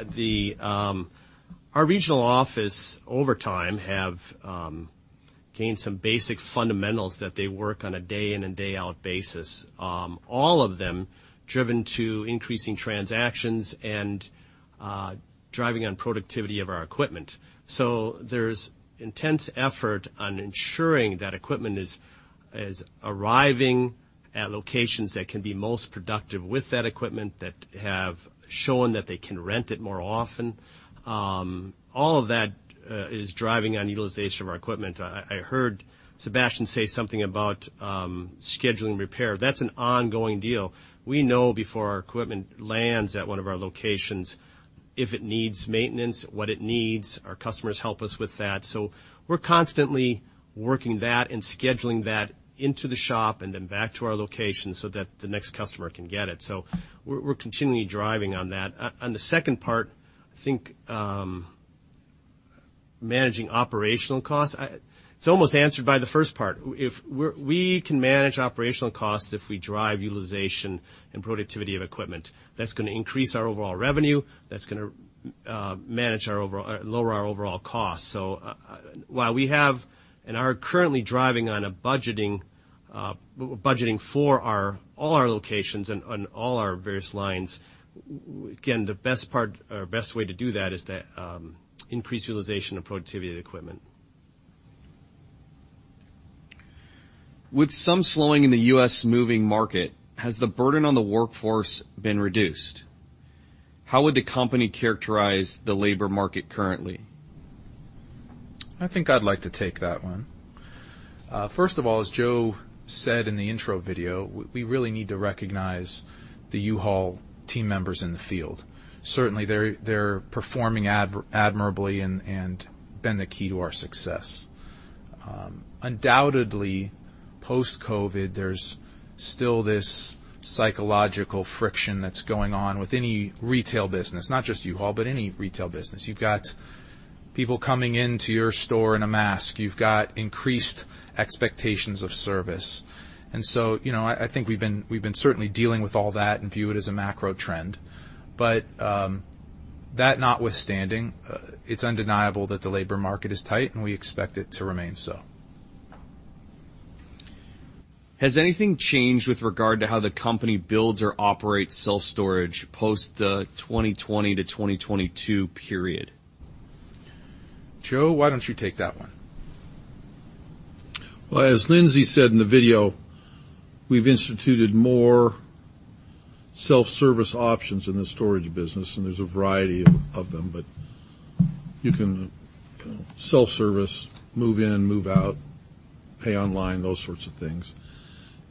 Our regional office, over time, have gained some basic fundamentals that they work on a day in and day out basis. All of them driven to increasing transactions and driving on productivity of our equipment. There's intense effort on ensuring that equipment is arriving at locations that can be most productive with that equipment, that have shown that they can rent it more often. All of that is driving on utilization of our equipment. I heard Sebastien say something about scheduling repair. That's an ongoing deal. We know before our equipment lands at one of our locations, if it needs maintenance, what it needs. Our customers help us with that. We're constantly working that and scheduling that into the shop and then back to our location so that the next customer can get it. We're, we're continually driving on that. On the second part, I think, managing operational costs, it's almost answered by the first part. If we're, we can manage operational costs if we drive utilization and productivity of equipment. That's gonna increase our overall revenue, that's gonna manage our overall, lower our overall costs. While we have and are currently driving on a budgeting, budgeting for our, all our locations and on all our various lines, again, the best part or best way to do that is to increase utilization and productivity of the equipment. With some slowing in the U.S. moving market, has the burden on the workforce been reduced? How would the company characterize the labor market currently? I think I'd like to take that one. First of all, as Joe said in the intro video, we really need to recognize the U-Haul team members in the field. Certainly, they're performing admirably and been the key to our success. Undoubtedly, post-COVID, there's still this psychological friction that's going on with any retail business, not just U-Haul, but any retail business. You've got people coming into your store in a mask. You've got increased expectations of service, and so, you know, I think we've been dealing with all that and view it as a macro trend. That notwithstanding, it's undeniable that the labor market is tight, and we expect it to remain so. Has anything changed with regard to how the company builds or operates self-storage post the 2020 to 2022 period? Joe, why don't you take that one? Well, as Lindsay said in the video, we've instituted more self-service options in the storage business, and there's a variety of, of them, but you can self-service, move in, move out, pay online, those sorts of things.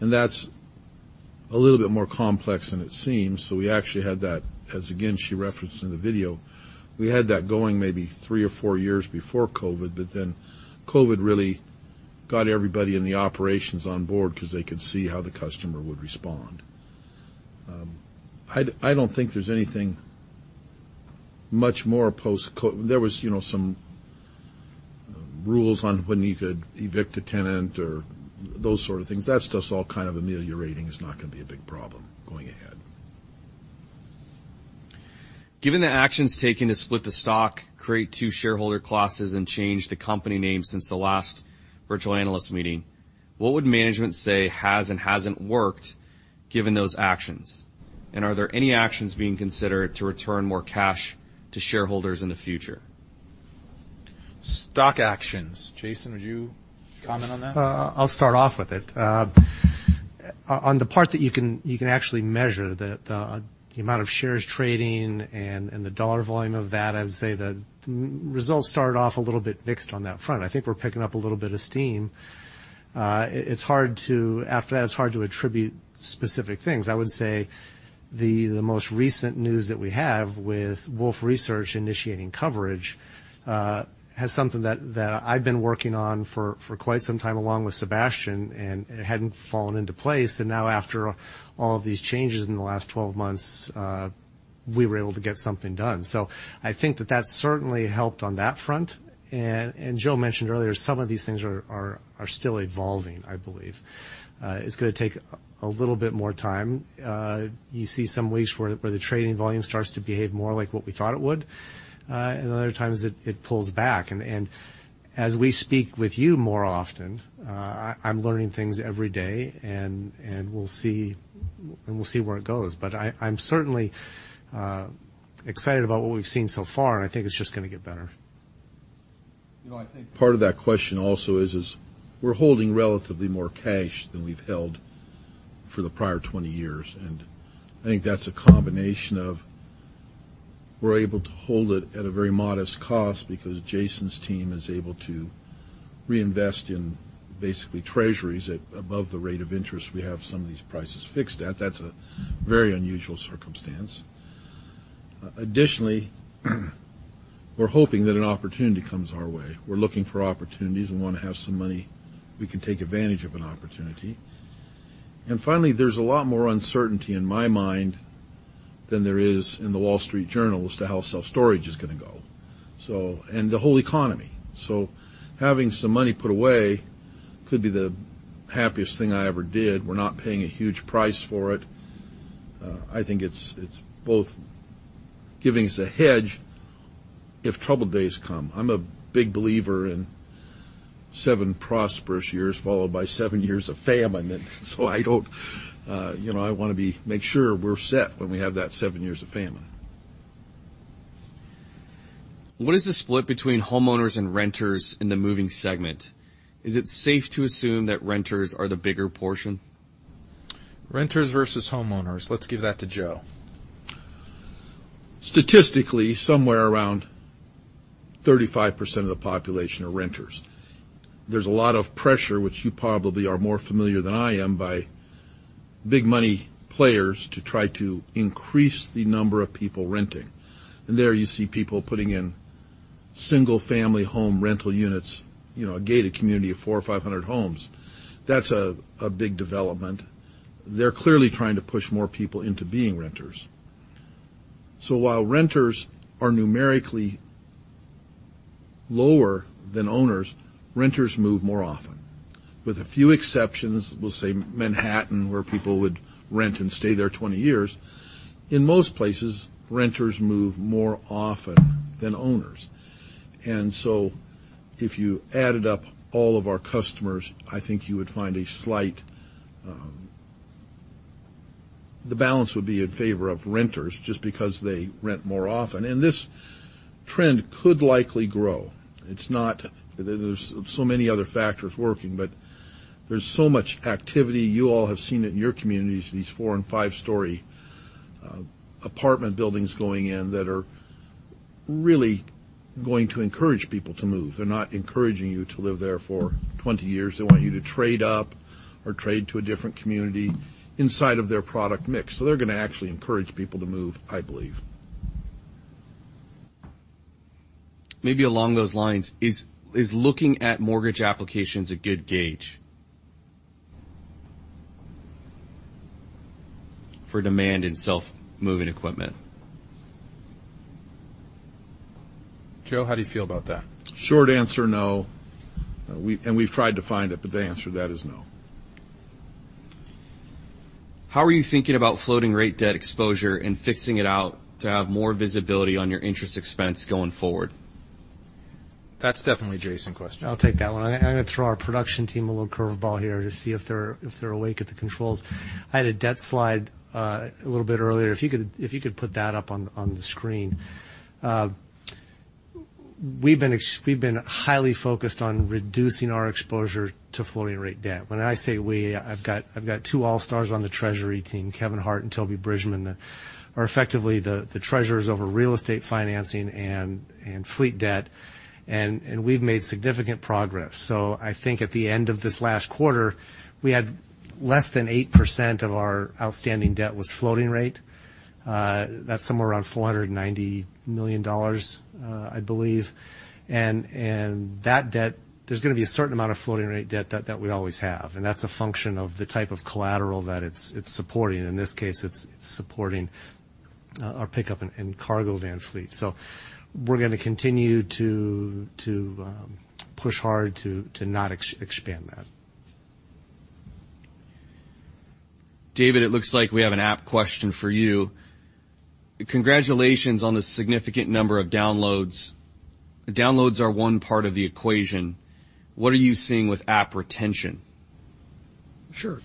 That's a little bit more complex than it seems, so we actually had that, as again, she referenced in the video, we had that going maybe three or four years before COVID, but then COVID really got everybody in the operations on board because they could see how the customer would respond. I, I don't think there's anything much more post-CO. There was, you know, some rules on when you could evict a tenant or those sort of things. That stuff's all kind of ameliorating. It's not gonna be a big problem going ahead. Given the actions taken to split the stock, create two shareholder classes, and change the company name since the last virtual analyst meeting, what would management say has and hasn't worked, given those actions? Are there any actions being considered to return more cash to shareholders in the future? Stock actions. Jason, would you comment on that? I'll start off with it. On the part that you can actually measure, the amount of shares trading and the dollar volume of that, I'd say the results started off a little bit mixed on that front. I think we're picking up a little bit of steam. After that, it's hard to attribute specific things. I would say the most recent news that we have with Wolfe Research initiating coverage has something that I've been working on for quite some time, along with Sebastien, and it hadn't fallen into place. Now, after all of these changes in the last 12 months, we were able to get something done. I think that that certainly helped on that front. Joe mentioned earlier, some of these things are still evolving, I believe. It's gonna take a little bit more time. You see some weeks where the trading volume starts to behave more like what we thought it would, and other times it pulls back. As we speak with you more often, I'm learning things every day, and we'll see, and we'll see where it goes. I'm certainly excited about what we've seen so far, and I think it's just gonna get better. You know, I think part of that question also is, is we're holding relatively more cash than we've held for the prior 20 years. I think that's a combination of we're able to hold it at a very modest cost because Jason's team is able to reinvest in basically treasuries at above the rate of interest we have some of these prices fixed at. Additionally, we're hoping that an opportunity comes our way. We're looking for opportunities and want to have some money. We can take advantage of an opportunity. Finally, there's a lot more uncertainty in my mind than there is in The Wall Street Journal as to how self-storage is gonna go, so, and the whole economy. Having some money put away could be the happiest thing I ever did. We're not paying a huge price for it. I think it's, it's both giving us a hedge if troubled days come. I'm a big believer in seven prosperous years, followed by seven years of famine. I don't, you know, I want to be-- make sure we're set when we have that seven years of famine. What is the split between homeowners and renters in the moving segment? Is it safe to assume that renters are the bigger portion? Renters versus homeowners. Let's give that to Joe. Statistically, somewhere around 35% of the population are renters. There's a lot of pressure, which you probably are more familiar than I am, by big money players to try to increase the number of people renting. There you see people putting in single-family home rental units, you know, a gated community of 400 or 500 homes. That's a big development. They're clearly trying to push more people into being renters. While renters are numerically lower than owners, renters move more often. With a few exceptions, we'll say Manhattan, where people would rent and stay there 20 years. In most places, renters move more often than owners. So if you added up all of our customers, I think you would find a slight. The balance would be in favor of renters just because they rent more often. This trend could likely grow. There's so many other factors working. There's so much activity. You all have seen it in your communities, these four and five-story apartment buildings going in that are really going to encourage people to move. They're not encouraging you to live there for 20 years. They want you to trade up or trade to a different community inside of their product mix. They're gonna actually encourage people to move, I believe. Maybe along those lines, is looking at mortgage applications a good gauge for demand in self-moving equipment? Joe, how do you feel about that? Short answer, no. We've tried to find it, but the answer to that is no. How are you thinking about floating rate debt exposure and fixing it out to have more visibility on your interest expense going forward? That's definitely Jason's question. I'll take that one. I'm gonna throw our production team a little curveball here to see if they're, if they're awake at the controls. I had a debt slide a little bit earlier. If you could, if you could put that up on, on the screen. We've been highly focused on reducing our exposure to floating rate debt. When I say we, I've got, I've got two all-stars on the treasury team, Kevin Hart and Toby Bridgman, are effectively the, the treasurers over real estate financing and, and fleet debt, and, and we've made significant progress. I think at the end of this last quarter, we had less than 8% of our outstanding debt was floating rate. That's somewhere around $490 million, I believe. And that debt, there's gonna be a certain amount of floating rate debt that, that we always have. That's a function of the type of collateral that it's, it's supporting. In this case, it's supporting, our pickup and, and cargo van fleet. We're gonna continue to, to, push hard to, to not expand that. David, it looks like we have an app question for you. Congratulations on the significant number of downloads. Downloads are one part of the equation. What are you seeing with app retention? Sure.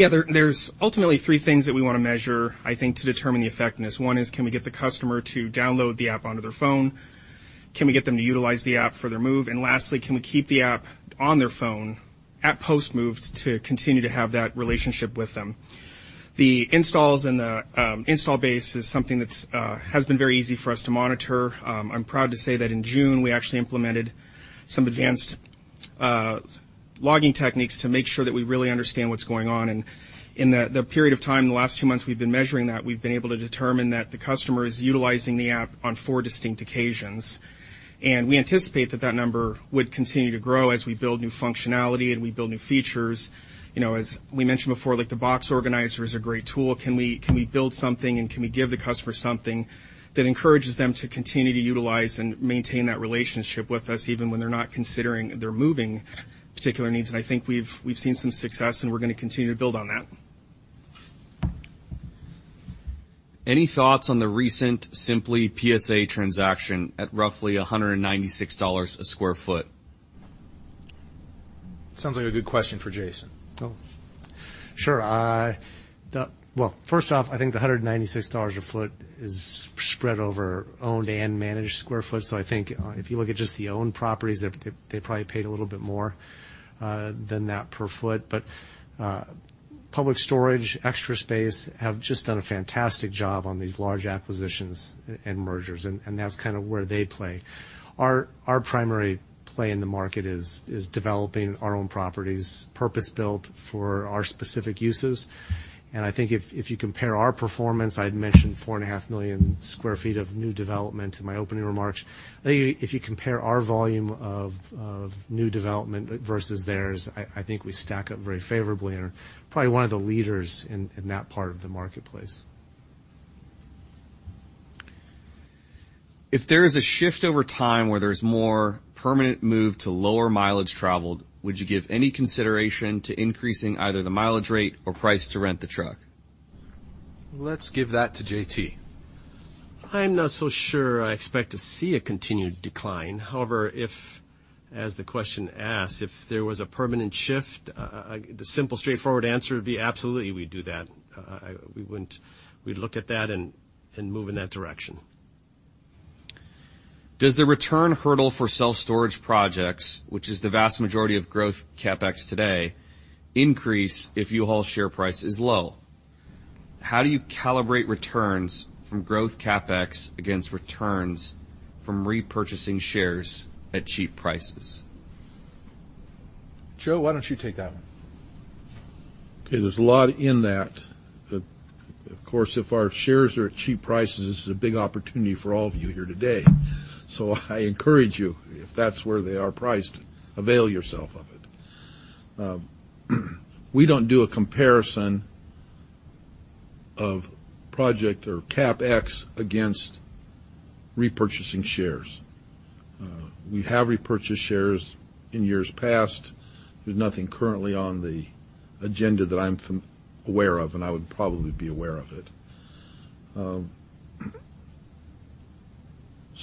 Yeah, there, there's ultimately three things that we wanna measure, I think, to determine the effectiveness. One is can we get the customer to download the app onto their phone? Can we get them to utilize the app for their move? Lastly, can we keep the app on their phone at post-move to continue to have that relationship with them? The installs and the install base is something that's has been very easy for us to monitor. I'm proud to say that in June, we actually implemented some advanced logging techniques to make sure that we really understand what's going on. In the, the period of time, the last two months we've been measuring that, we've been able to determine that the customer is utilizing the app on four distinct occasions. We anticipate that that number would continue to grow as we build new functionality and we build new features. You know, as we mentioned before, like, the box organizer is a great tool. Can we, can we build something and can we give the customer something that encourages them to continue to utilize and maintain that relationship with us, even when they're not considering their moving particular needs? I think we've, we've seen some success, and we're gonna continue to build on that. Any thoughts on the recent Simply PSA transaction at roughly $196 a sq ft? Sounds like a good question for Jason. Oh, sure. Well, first off, I think the $196 a foot is spread over owned and managed sq ft. I think, if you look at just the owned properties, they, they probably paid a little bit more than that per foot. Public Storage, Extra Space, have just done a fantastic job on these large acquisitions and mergers, and that's kind of where they play. Our, our primary play in the market is, is developing our own properties, purpose-built for our specific uses. I think if, if you compare our performance, I'd mentioned 4.5 million sq ft of new development in my opening remarks. I think if you compare our volume of new development versus theirs, I think we stack up very favorably and are probably one of the leaders in that part of the marketplace. If there is a shift over time where there's more permanent move to lower mileage traveled, would you give any consideration to increasing either the mileage rate or price to rent the truck? Let's give that to JT. I'm not so sure I expect to see a continued decline. However, as the question asks, if there was a permanent shift, the simple, straightforward answer would be absolutely, we'd do that. We'd look at that and, and move in that direction. Does the return hurdle for self-storage projects, which is the vast majority of growth CapEx today, increase if U-Haul share price is low? How do you calibrate returns from growth CapEx against returns from repurchasing shares at cheap prices? Joe, why don't you take that one? Okay, there's a lot in that. Of course, if our shares are at cheap prices, this is a big opportunity for all of you here today. I encourage you, if that's where they are priced, avail yourself of it. We don't do a comparison of project or CapEx against repurchasing shares. We have repurchased shares in years past. There's nothing currently on the agenda that I'm aware of, and I would probably be aware of it.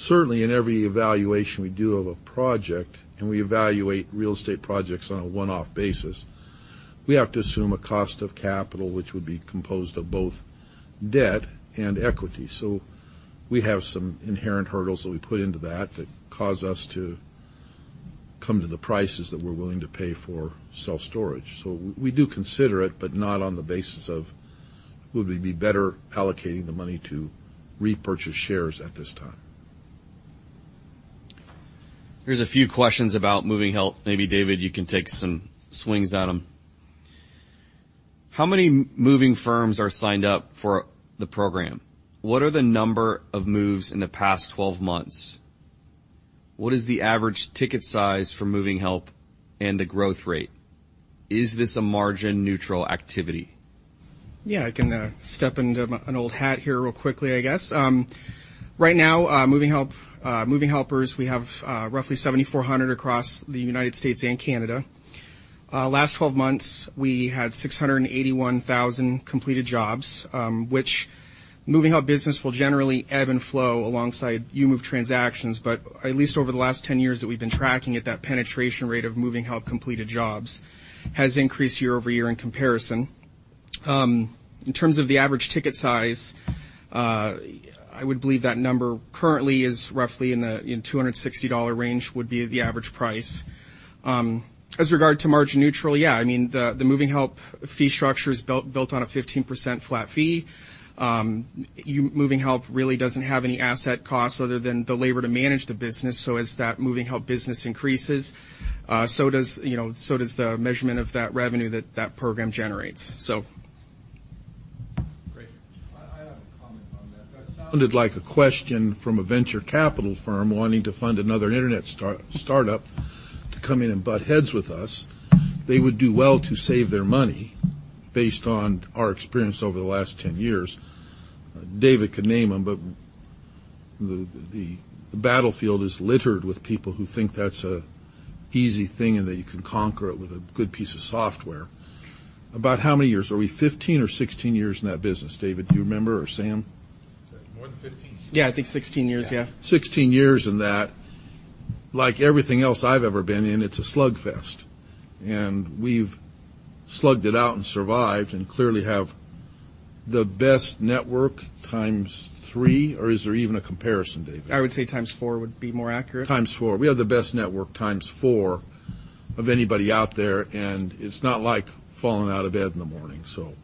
Certainly, in every evaluation we do of a project, and we evaluate real estate projects on a one-off basis, we have to assume a cost of capital, which would be composed of both debt and equity. We have some inherent hurdles that we put into that, that cause us to come to the prices that we're willing to pay for self-storage. We, we do consider it, but not on the basis of, would we be better allocating the money to repurchase shares at this time? Here's a few questions about Moving Help. Maybe, David, you can take some swings at them. How many moving firms are signed up for the program? What are the number of moves in the past 12 months? What is the average ticket size for Moving Help and the growth rate? Is this a margin-neutral activity? Yeah, I can step into my, an old hat here real quickly, I guess. Right now, Moving Help, Moving Help, we have roughly 7,400 across the United States and Canada. Last 12 months, we had 681,000 completed jobs, which Moving Help business will generally ebb and flow alongside U-Move transactions. At least over the last 10 years that we've been tracking it, that penetration rate of Moving Help completed jobs has increased year-over-year in comparison. In terms of the average ticket size, I would believe that number currently is roughly in the $260 range, would be the average price. As regard to margin neutral, yeah, I mean, the, the Moving Help fee structure is built, built on a 15% flat fee. Moving Help really doesn't have any asset costs other than the labor to manage the business. As that Moving Help business increases, so does, you know, so does the measurement of that revenue that, that program generates. So. Great. I have a comment on that. That sounded like a question from a venture capital firm wanting to fund another internet start-startup to come in and butt heads with us. They would do well to save their money, based on our experience over the last 10 years. David can name them, but the battlefield is littered with people who think that's a easy thing and that you can conquer it with a good piece of software. About how many years? Are we 15 or 16 years in that business, David, do you remember, or Sam? More than 15. Yeah, I think 16 years, yeah. 16 years in that. Like everything else I've ever been in, it's a slugfest, and we've slugged it out and survived, and clearly have the best network times three, or is there even a comparison, David? I would say times 4 would be more accurate. Times 4. We have the best network times 4 of anybody out there, and it's not like falling out of bed in the morning, so.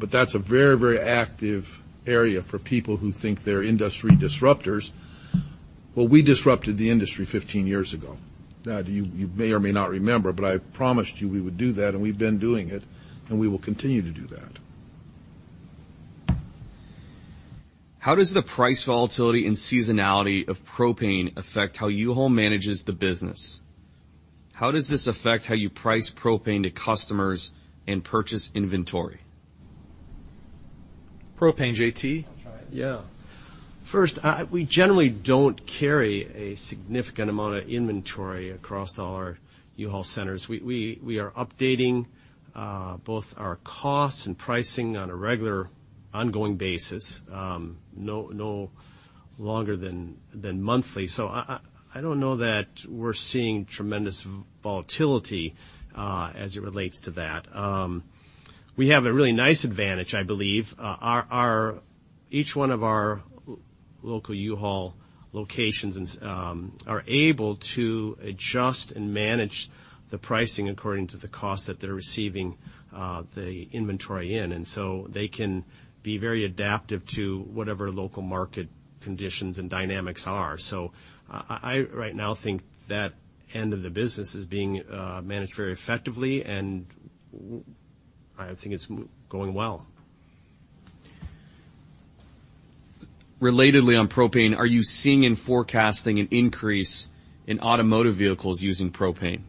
That's a very, very active area for people who think they're industry disruptors. Well, we disrupted the industry 15 years ago. Now, you, you may or may not remember, but I promised you we would do that, and we've been doing it, and we will continue to do that. How does the price volatility and seasonality of propane affect how U-Haul manages the business? How does this affect how you price propane to customers and purchase inventory? propane, JT? I'll try it. First, we generally don't carry a significant amount of inventory across all our U-Haul centers. We, we, we are updating, both our costs and pricing on a regular, ongoing basis, no, no longer than, than monthly. I, I, I don't know that we're seeing tremendous volatility, as it relates to that. We have a really nice advantage, I believe. Our, our Each one of our local U-Haul locations and are able to adjust and manage the pricing according to the cost that they're receiving, the inventory in, and so they can be very adaptive to whatever local market conditions and dynamics are. I, I, I right now think that end of the business is being managed very effectively, and I think it's going well. Relatedly, on propane, are you seeing and forecasting an increase in automotive vehicles using propane?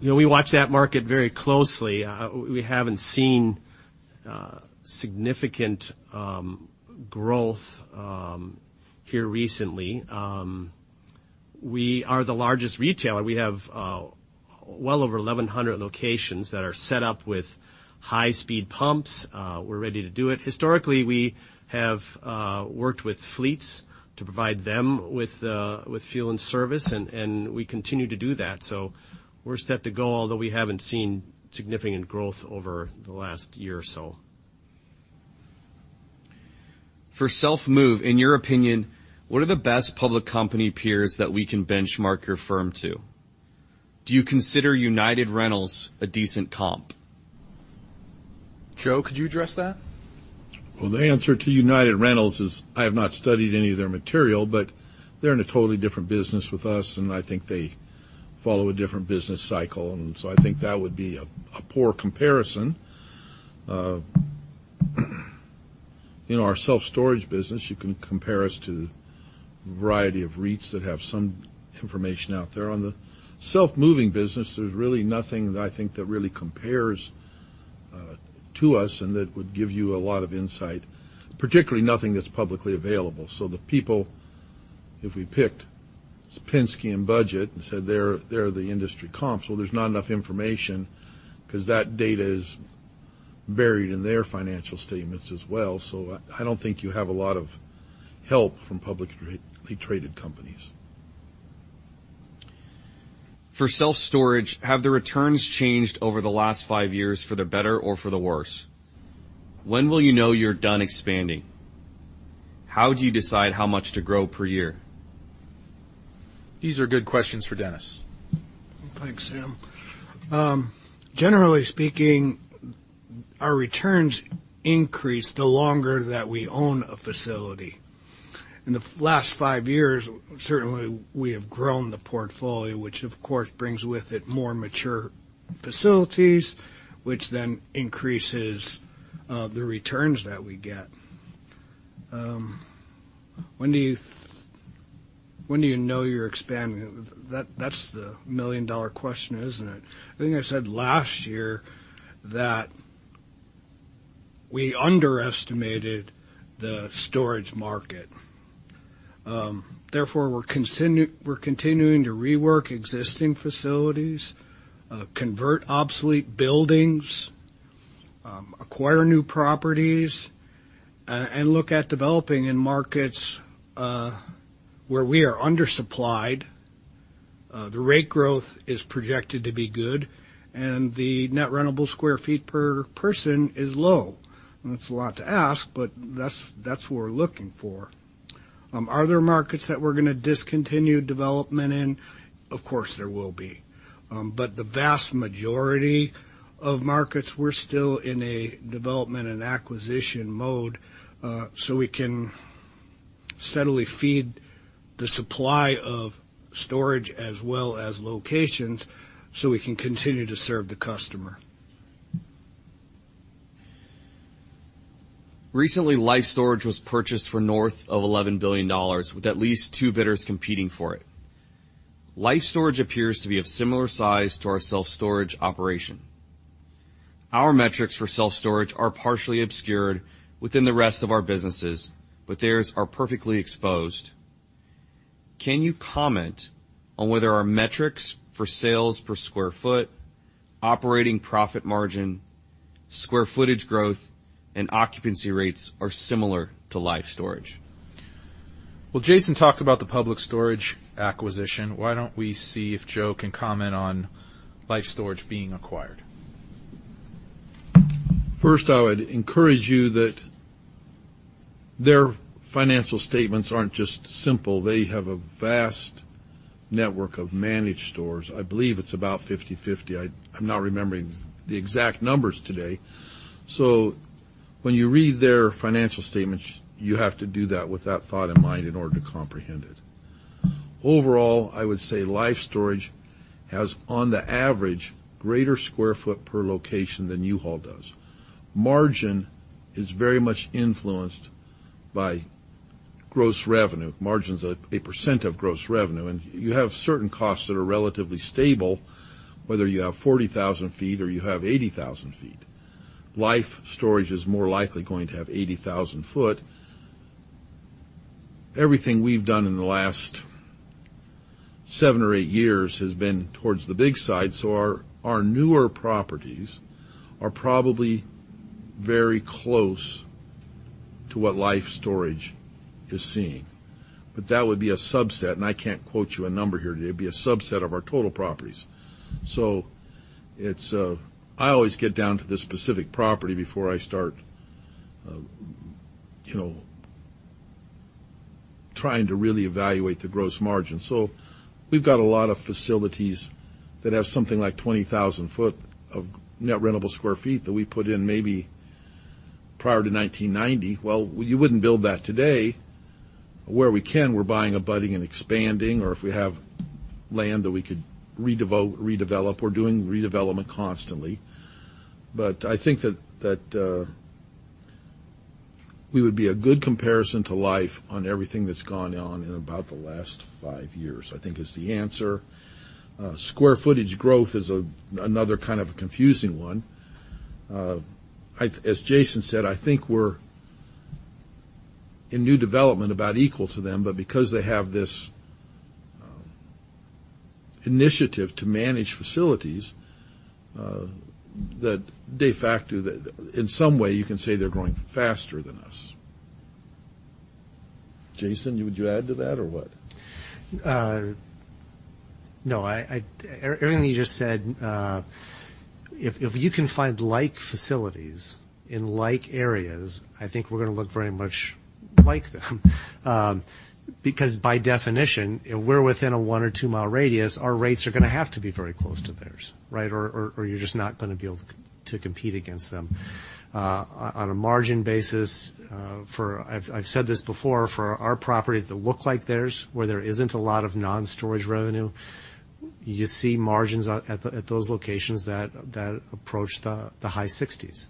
You know, we watch that market very closely. We haven't seen significant growth here recently. We are the largest retailer. We have well over 1,100 locations that are set up with high-speed pumps. We're ready to do it. Historically, we have worked with fleets to provide them with fuel and service, and, and we continue to do that. We're set to go, although we haven't seen significant growth over the last year or so. For self-move, in your opinion, what are the best public company peers that we can benchmark your firm to? Do you consider United Rentals a decent comp? Joe, could you address that? Well, the answer to United Rentals is, I have not studied any of their material, but they're in a totally different business with us, and I think they follow a different business cycle. I think that would be a poor comparison. In our self-storage business, you can compare us to a variety of REITs that have some information out there. On the self-moving business, there's really nothing that I think that really compares to us, and that would give you a lot of insight, particularly nothing that's publicly available. The people, if we picked Penske and Budget and said they're the industry comps, well, there's not enough information 'cause that data is buried in their financial statements as well. I don't think you have a lot of help from publicly traded companies. For self-storage, have the returns changed over the last five years for the better or for the worse? When will you know you're done expanding? How do you decide how much to grow per year? These are good questions for Dennis. Thanks, Sam. Generally speaking, our returns increase the longer that we own a facility. In the last five years, certainly, we have grown the portfolio, which, of course, brings with it more mature facilities, which then increases the returns that we get. When do you know you're expanding? That, that's the million-dollar question, isn't it? I think I said last year that we underestimated the storage market. Therefore, we're continuing to rework existing facilities, convert obsolete buildings, acquire new properties, and look at developing in markets where we are undersupplied, the rate growth is projected to be good, and the net rentable square feet per person is low. That's a lot to ask, but that's, that's what we're looking for. Are there markets that we're gonna discontinue development in? Of course, there will be. The vast majority of markets, we're still in a development and acquisition mode, so we can steadily feed the supply of storage as well as locations, so we can continue to serve the customer. Recently, Life Storage was purchased for north of $11 billion, with at least two bidders competing for it. Life Storage appears to be of similar size to our self-storage operation. Our metrics for self-storage are partially obscured within the rest of our businesses, but theirs are perfectly exposed. Can you comment on whether our metrics for sales per square foot, operating profit margin, square footage growth, and occupancy rates are similar to Life Storage? Well, Jason talked about the Public Storage acquisition. Why don't we see if Joe can comment on Life Storage being acquired? First, I would encourage you that their financial statements aren't just simple. They have a vast network of managed stores. I believe it's about 50/50. I'm not remembering the exact numbers today. When you read their financial statements, you have to do that with that thought in mind in order to comprehend it. Overall, I would say Life Storage has, on the average, greater square foot per location than U-Haul does. Margin is very much influenced by gross revenue. Margin's a % of gross revenue, and you have certain costs that are relatively stable, whether you have 40,000 ft or you have 80,000 ft. Life Storage is more likely going to have 80,000 ft. Everything we've done in the last seven or eight years has been towards the big side, our, our newer properties are probably very close to what Life Storage is seeing. That would be a subset, and I can't quote you a number here today. It'd be a subset of our total properties. It's, I always get down to the specific property before I start, you know, trying to really evaluate the gross margin. We've got a lot of facilities that have something like 20,000 sq ft of net rentable square feet that we put in maybe prior to 1990. You wouldn't build that today. Where we can, we're buying, abutting, and expanding, or if we have land that we could redevelop, we're doing redevelopment constantly. I think that, that, we would be a good comparison to Life on everything that's gone on in about the last five years, I think is the answer. Square footage growth is a, another kind of a confusing one. As Jason said, I think we're in new development about equal to them, but because they have this initiative to manage facilities, that de facto, that in some way, you can say they're growing faster than us. Jason, would you add to that or what? No, I, everything you just said, if, if you can find like facilities in like areas, I think we're gonna look very much like them. Because by definition, if we're within a one or 2-mile radius, our rates are gonna have to be very close to theirs, right? You're just not gonna be able to compete against them. On a margin basis, I've, I've said this before, for our properties that look like theirs, where there isn't a lot of non-storage revenue, you see margins at those locations that approach the high 60s.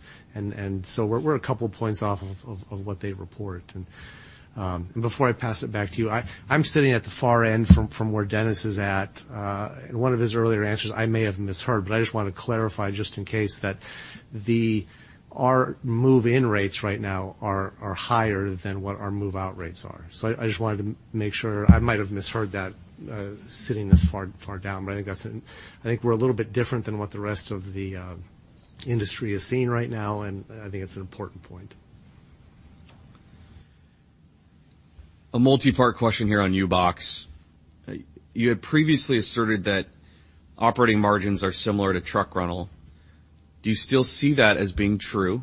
We're a couple points off what they report. Before I pass it back to you, I'm sitting at the far end from where Dennis is at. In one of his earlier answers, I may have misheard, but I just want to clarify, just in case, that our move-in rates right now are, are higher than what our move-out rates are. I just wanted to make sure. I might have misheard that, sitting this far, far down, but I think that's I think we're a little bit different than what the rest of the industry is seeing right now, and I think it's an important point. A multi-part question here on U-Box. You had previously asserted that operating margins are similar to truck rental. Do you still see that as being true?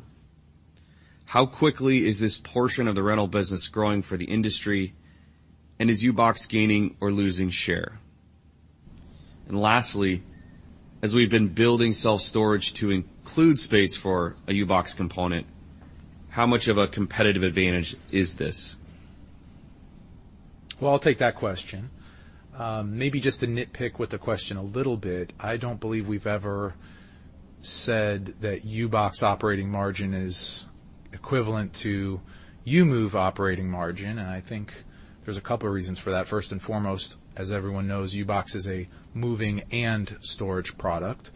How quickly is this portion of the rental business growing for the industry, and is U-Box gaining or losing share? Lastly, as we've been building self-storage to include space for a U-Box component, how much of a competitive advantage is this? Well, I'll take that question. Maybe just to nitpick with the question a little bit, I don't believe we've ever said that U-Box operating margin is equivalent to U-Move operating margin, and I think there's a couple of reasons for that. First and foremost, as everyone knows, U-Box is a moving and storage product.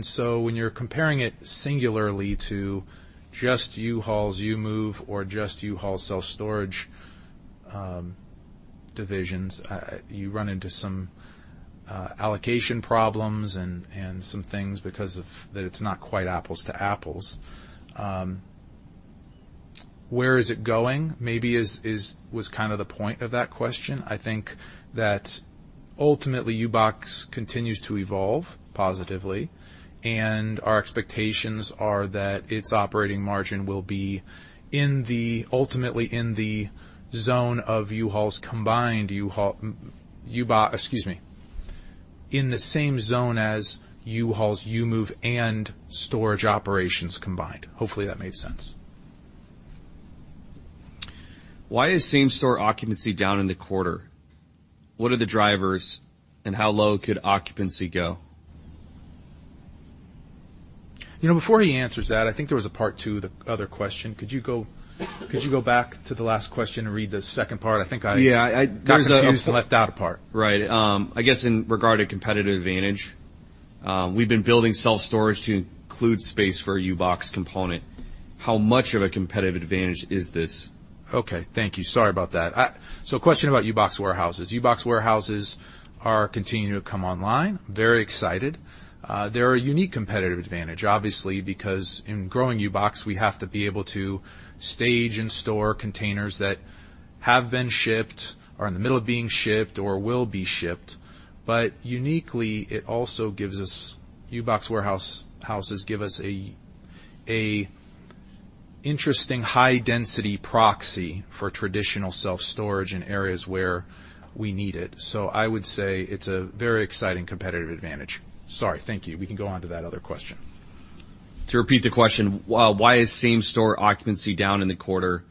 So when you're comparing it singularly to just U-Haul's U-Move or just U-Haul's self-storage divisions, you run into some allocation problems and some things because of, that it's not quite Apples to Apples. Where is it going? Maybe is was kind of the point of that question. I think that ultimately, U-Box continues to evolve positively, and our expectations are that its operating margin will be ultimately in the zone of U-Haul's combined U-Haul, U-Box. In the same zone as U-Haul's U-Move and storage operations combined. Hopefully, that made sense. Why is same-store occupancy down in the quarter? What are the drivers, and how low could occupancy go? You know, before he answers that, I think there was a part two to the other question. Could you go, could you go back to the last question and read the second part? I think I. Yeah, I, I got confused. There's a left out part. Right. I guess in regard to competitive advantage, we've been building self-storage to include space for a U-Box component. How much of a competitive advantage is this? Okay. Thank you. Sorry about that. Question about U-Box warehouses. U-Box warehouses are continuing to come online. Very excited. They're a unique competitive advantage, obviously, because in growing U-Box, we have to be able to stage and store containers that have been shipped, are in the middle of being shipped, or will be shipped. Uniquely, it also gives us U-Box warehouses give us a interesting high-density proxy for traditional self-storage in areas where we need it. I would say it's a very exciting competitive advantage. Sorry. Thank you. We can go on to that other question. To repeat the question: Why is same-store occupancy down in the quarter?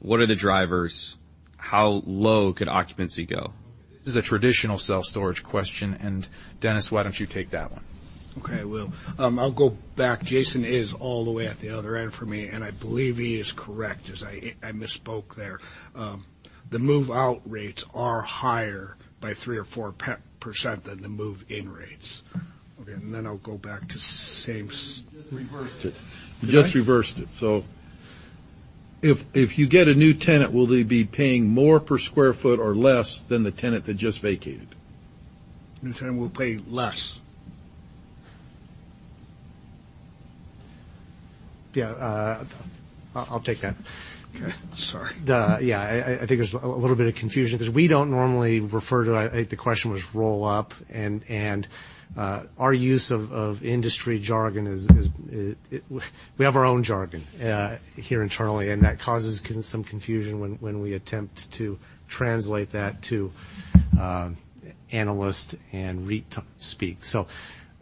What are the drivers? How low could occupancy go? This is a traditional self-storage question, and, Dennis, why don't you take that one? Okay, I will. I'll go back. Jason is all the way at the other end from me, and I believe he is correct, as I, I misspoke there. The move-out rates are higher by 3% or 4% than the move-in rates. You just reversed it. You just reversed it. If, if you get a new tenant, will they be paying more per square foot or less than the tenant that just vacated? New tenant will pay less. Yeah, I'll, I'll take that. Okay, sorry. Yeah, I think there's a little bit of confusion because we don't normally refer to. I think the question was rent roll-up, and our use of industry jargon is, we have our own jargon here internally, and that causes some confusion when we attempt to translate that to analyst and REIT speak.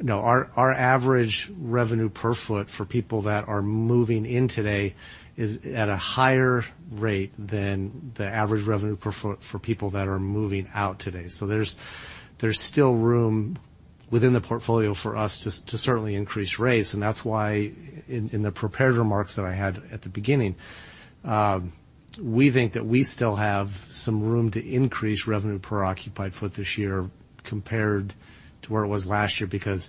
No, our average revenue per foot for people that are moving in today is at a higher rate than the average revenue per foot for people that are moving out today. There's, there's still room within the portfolio for us to, to certainly increase rates, and that's why in, in the prepared remarks that I had at the beginning, we think that we still have some room to increase revenue per occupied foot this year compared to where it was last year, because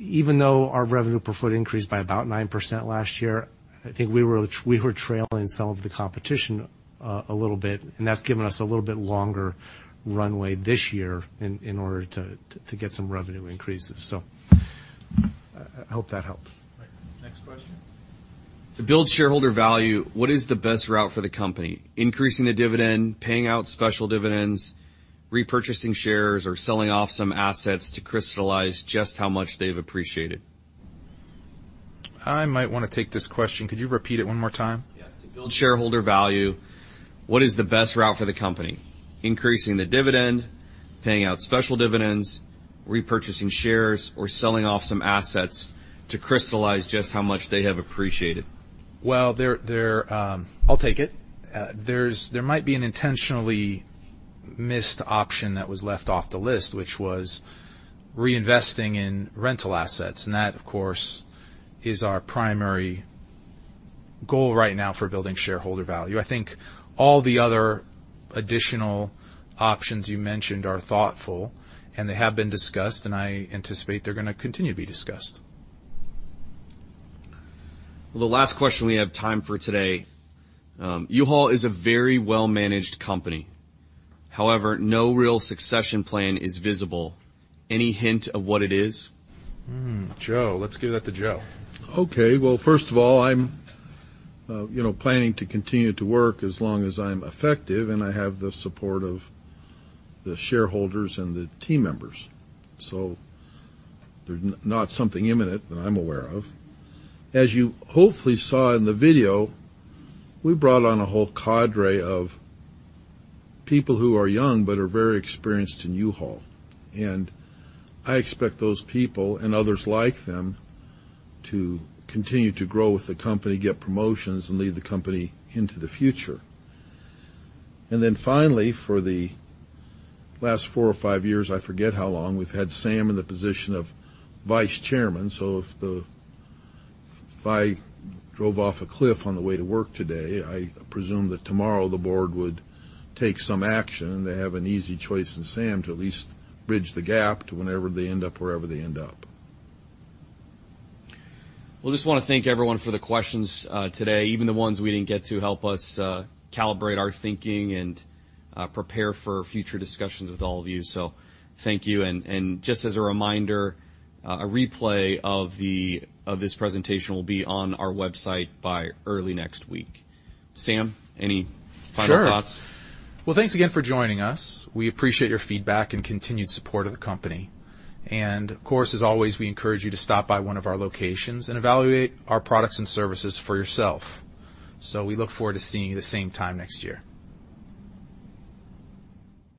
even though our revenue per foot increased by about 9% last year, I think we were we were trailing some of the competition.. a little bit, and that's given us a little bit longer runway this year in, in order to get some revenue increases. I, I hope that helps. Great. Next question. To build shareholder value, what is the best route for the company? Increasing the dividend, paying out special dividends, repurchasing shares, or selling off some assets to crystallize just how much they've appreciated? I might want to take this question. Could you repeat it one more time? Yeah. To build shareholder value, what is the best route for the company? Increasing the dividend, paying out special dividends, repurchasing shares, or selling off some assets to crystallize just how much they have appreciated. Well, there, I'll take it. There might be an intentionally missed option that was left off the list, which was reinvesting in rental assets, and that, of course, is our primary goal right now for building shareholder value. I think all the other additional options you mentioned are thoughtful, and they have been discussed, and I anticipate they're gonna continue to be discussed. Well, the last question we have time for today. U-Haul is a very well-managed company. However, no real succession plan is visible. Any hint of what it is? Hmm. Joe, let's give that to Joe. Okay. Well, first of all, I'm, you know, planning to continue to work as long as I'm effective, and I have the support of the shareholders and the team members. There's not something imminent that I'm aware of. As you hopefully saw in the video, we brought on a whole cadre of people who are young but are very experienced in U-Haul, and I expect those people and others like them to continue to grow with the company, get promotions, and lead the company into the future. Finally, for the last 4 or 5 years, I forget how long, we've had Sam in the position of vice chairman, so if I drove off a cliff on the way to work today, I presume that tomorrow the board would take some action, and they have an easy choice in Sam to at least bridge the gap to whenever they end up, wherever they end up. Well, just wanna thank everyone for the questions today. Even the ones we didn't get to help us calibrate our thinking and prepare for future discussions with all of you. Thank you, and just as a reminder, a replay of this presentation will be on our website by early next week. Sam, any final thoughts? Sure. Well, thanks again for joining us. We appreciate your feedback and continued support of the company. Of course, as always, we encourage you to stop by one of our locations and evaluate our products and services for yourself. We look forward to seeing you the same time next year.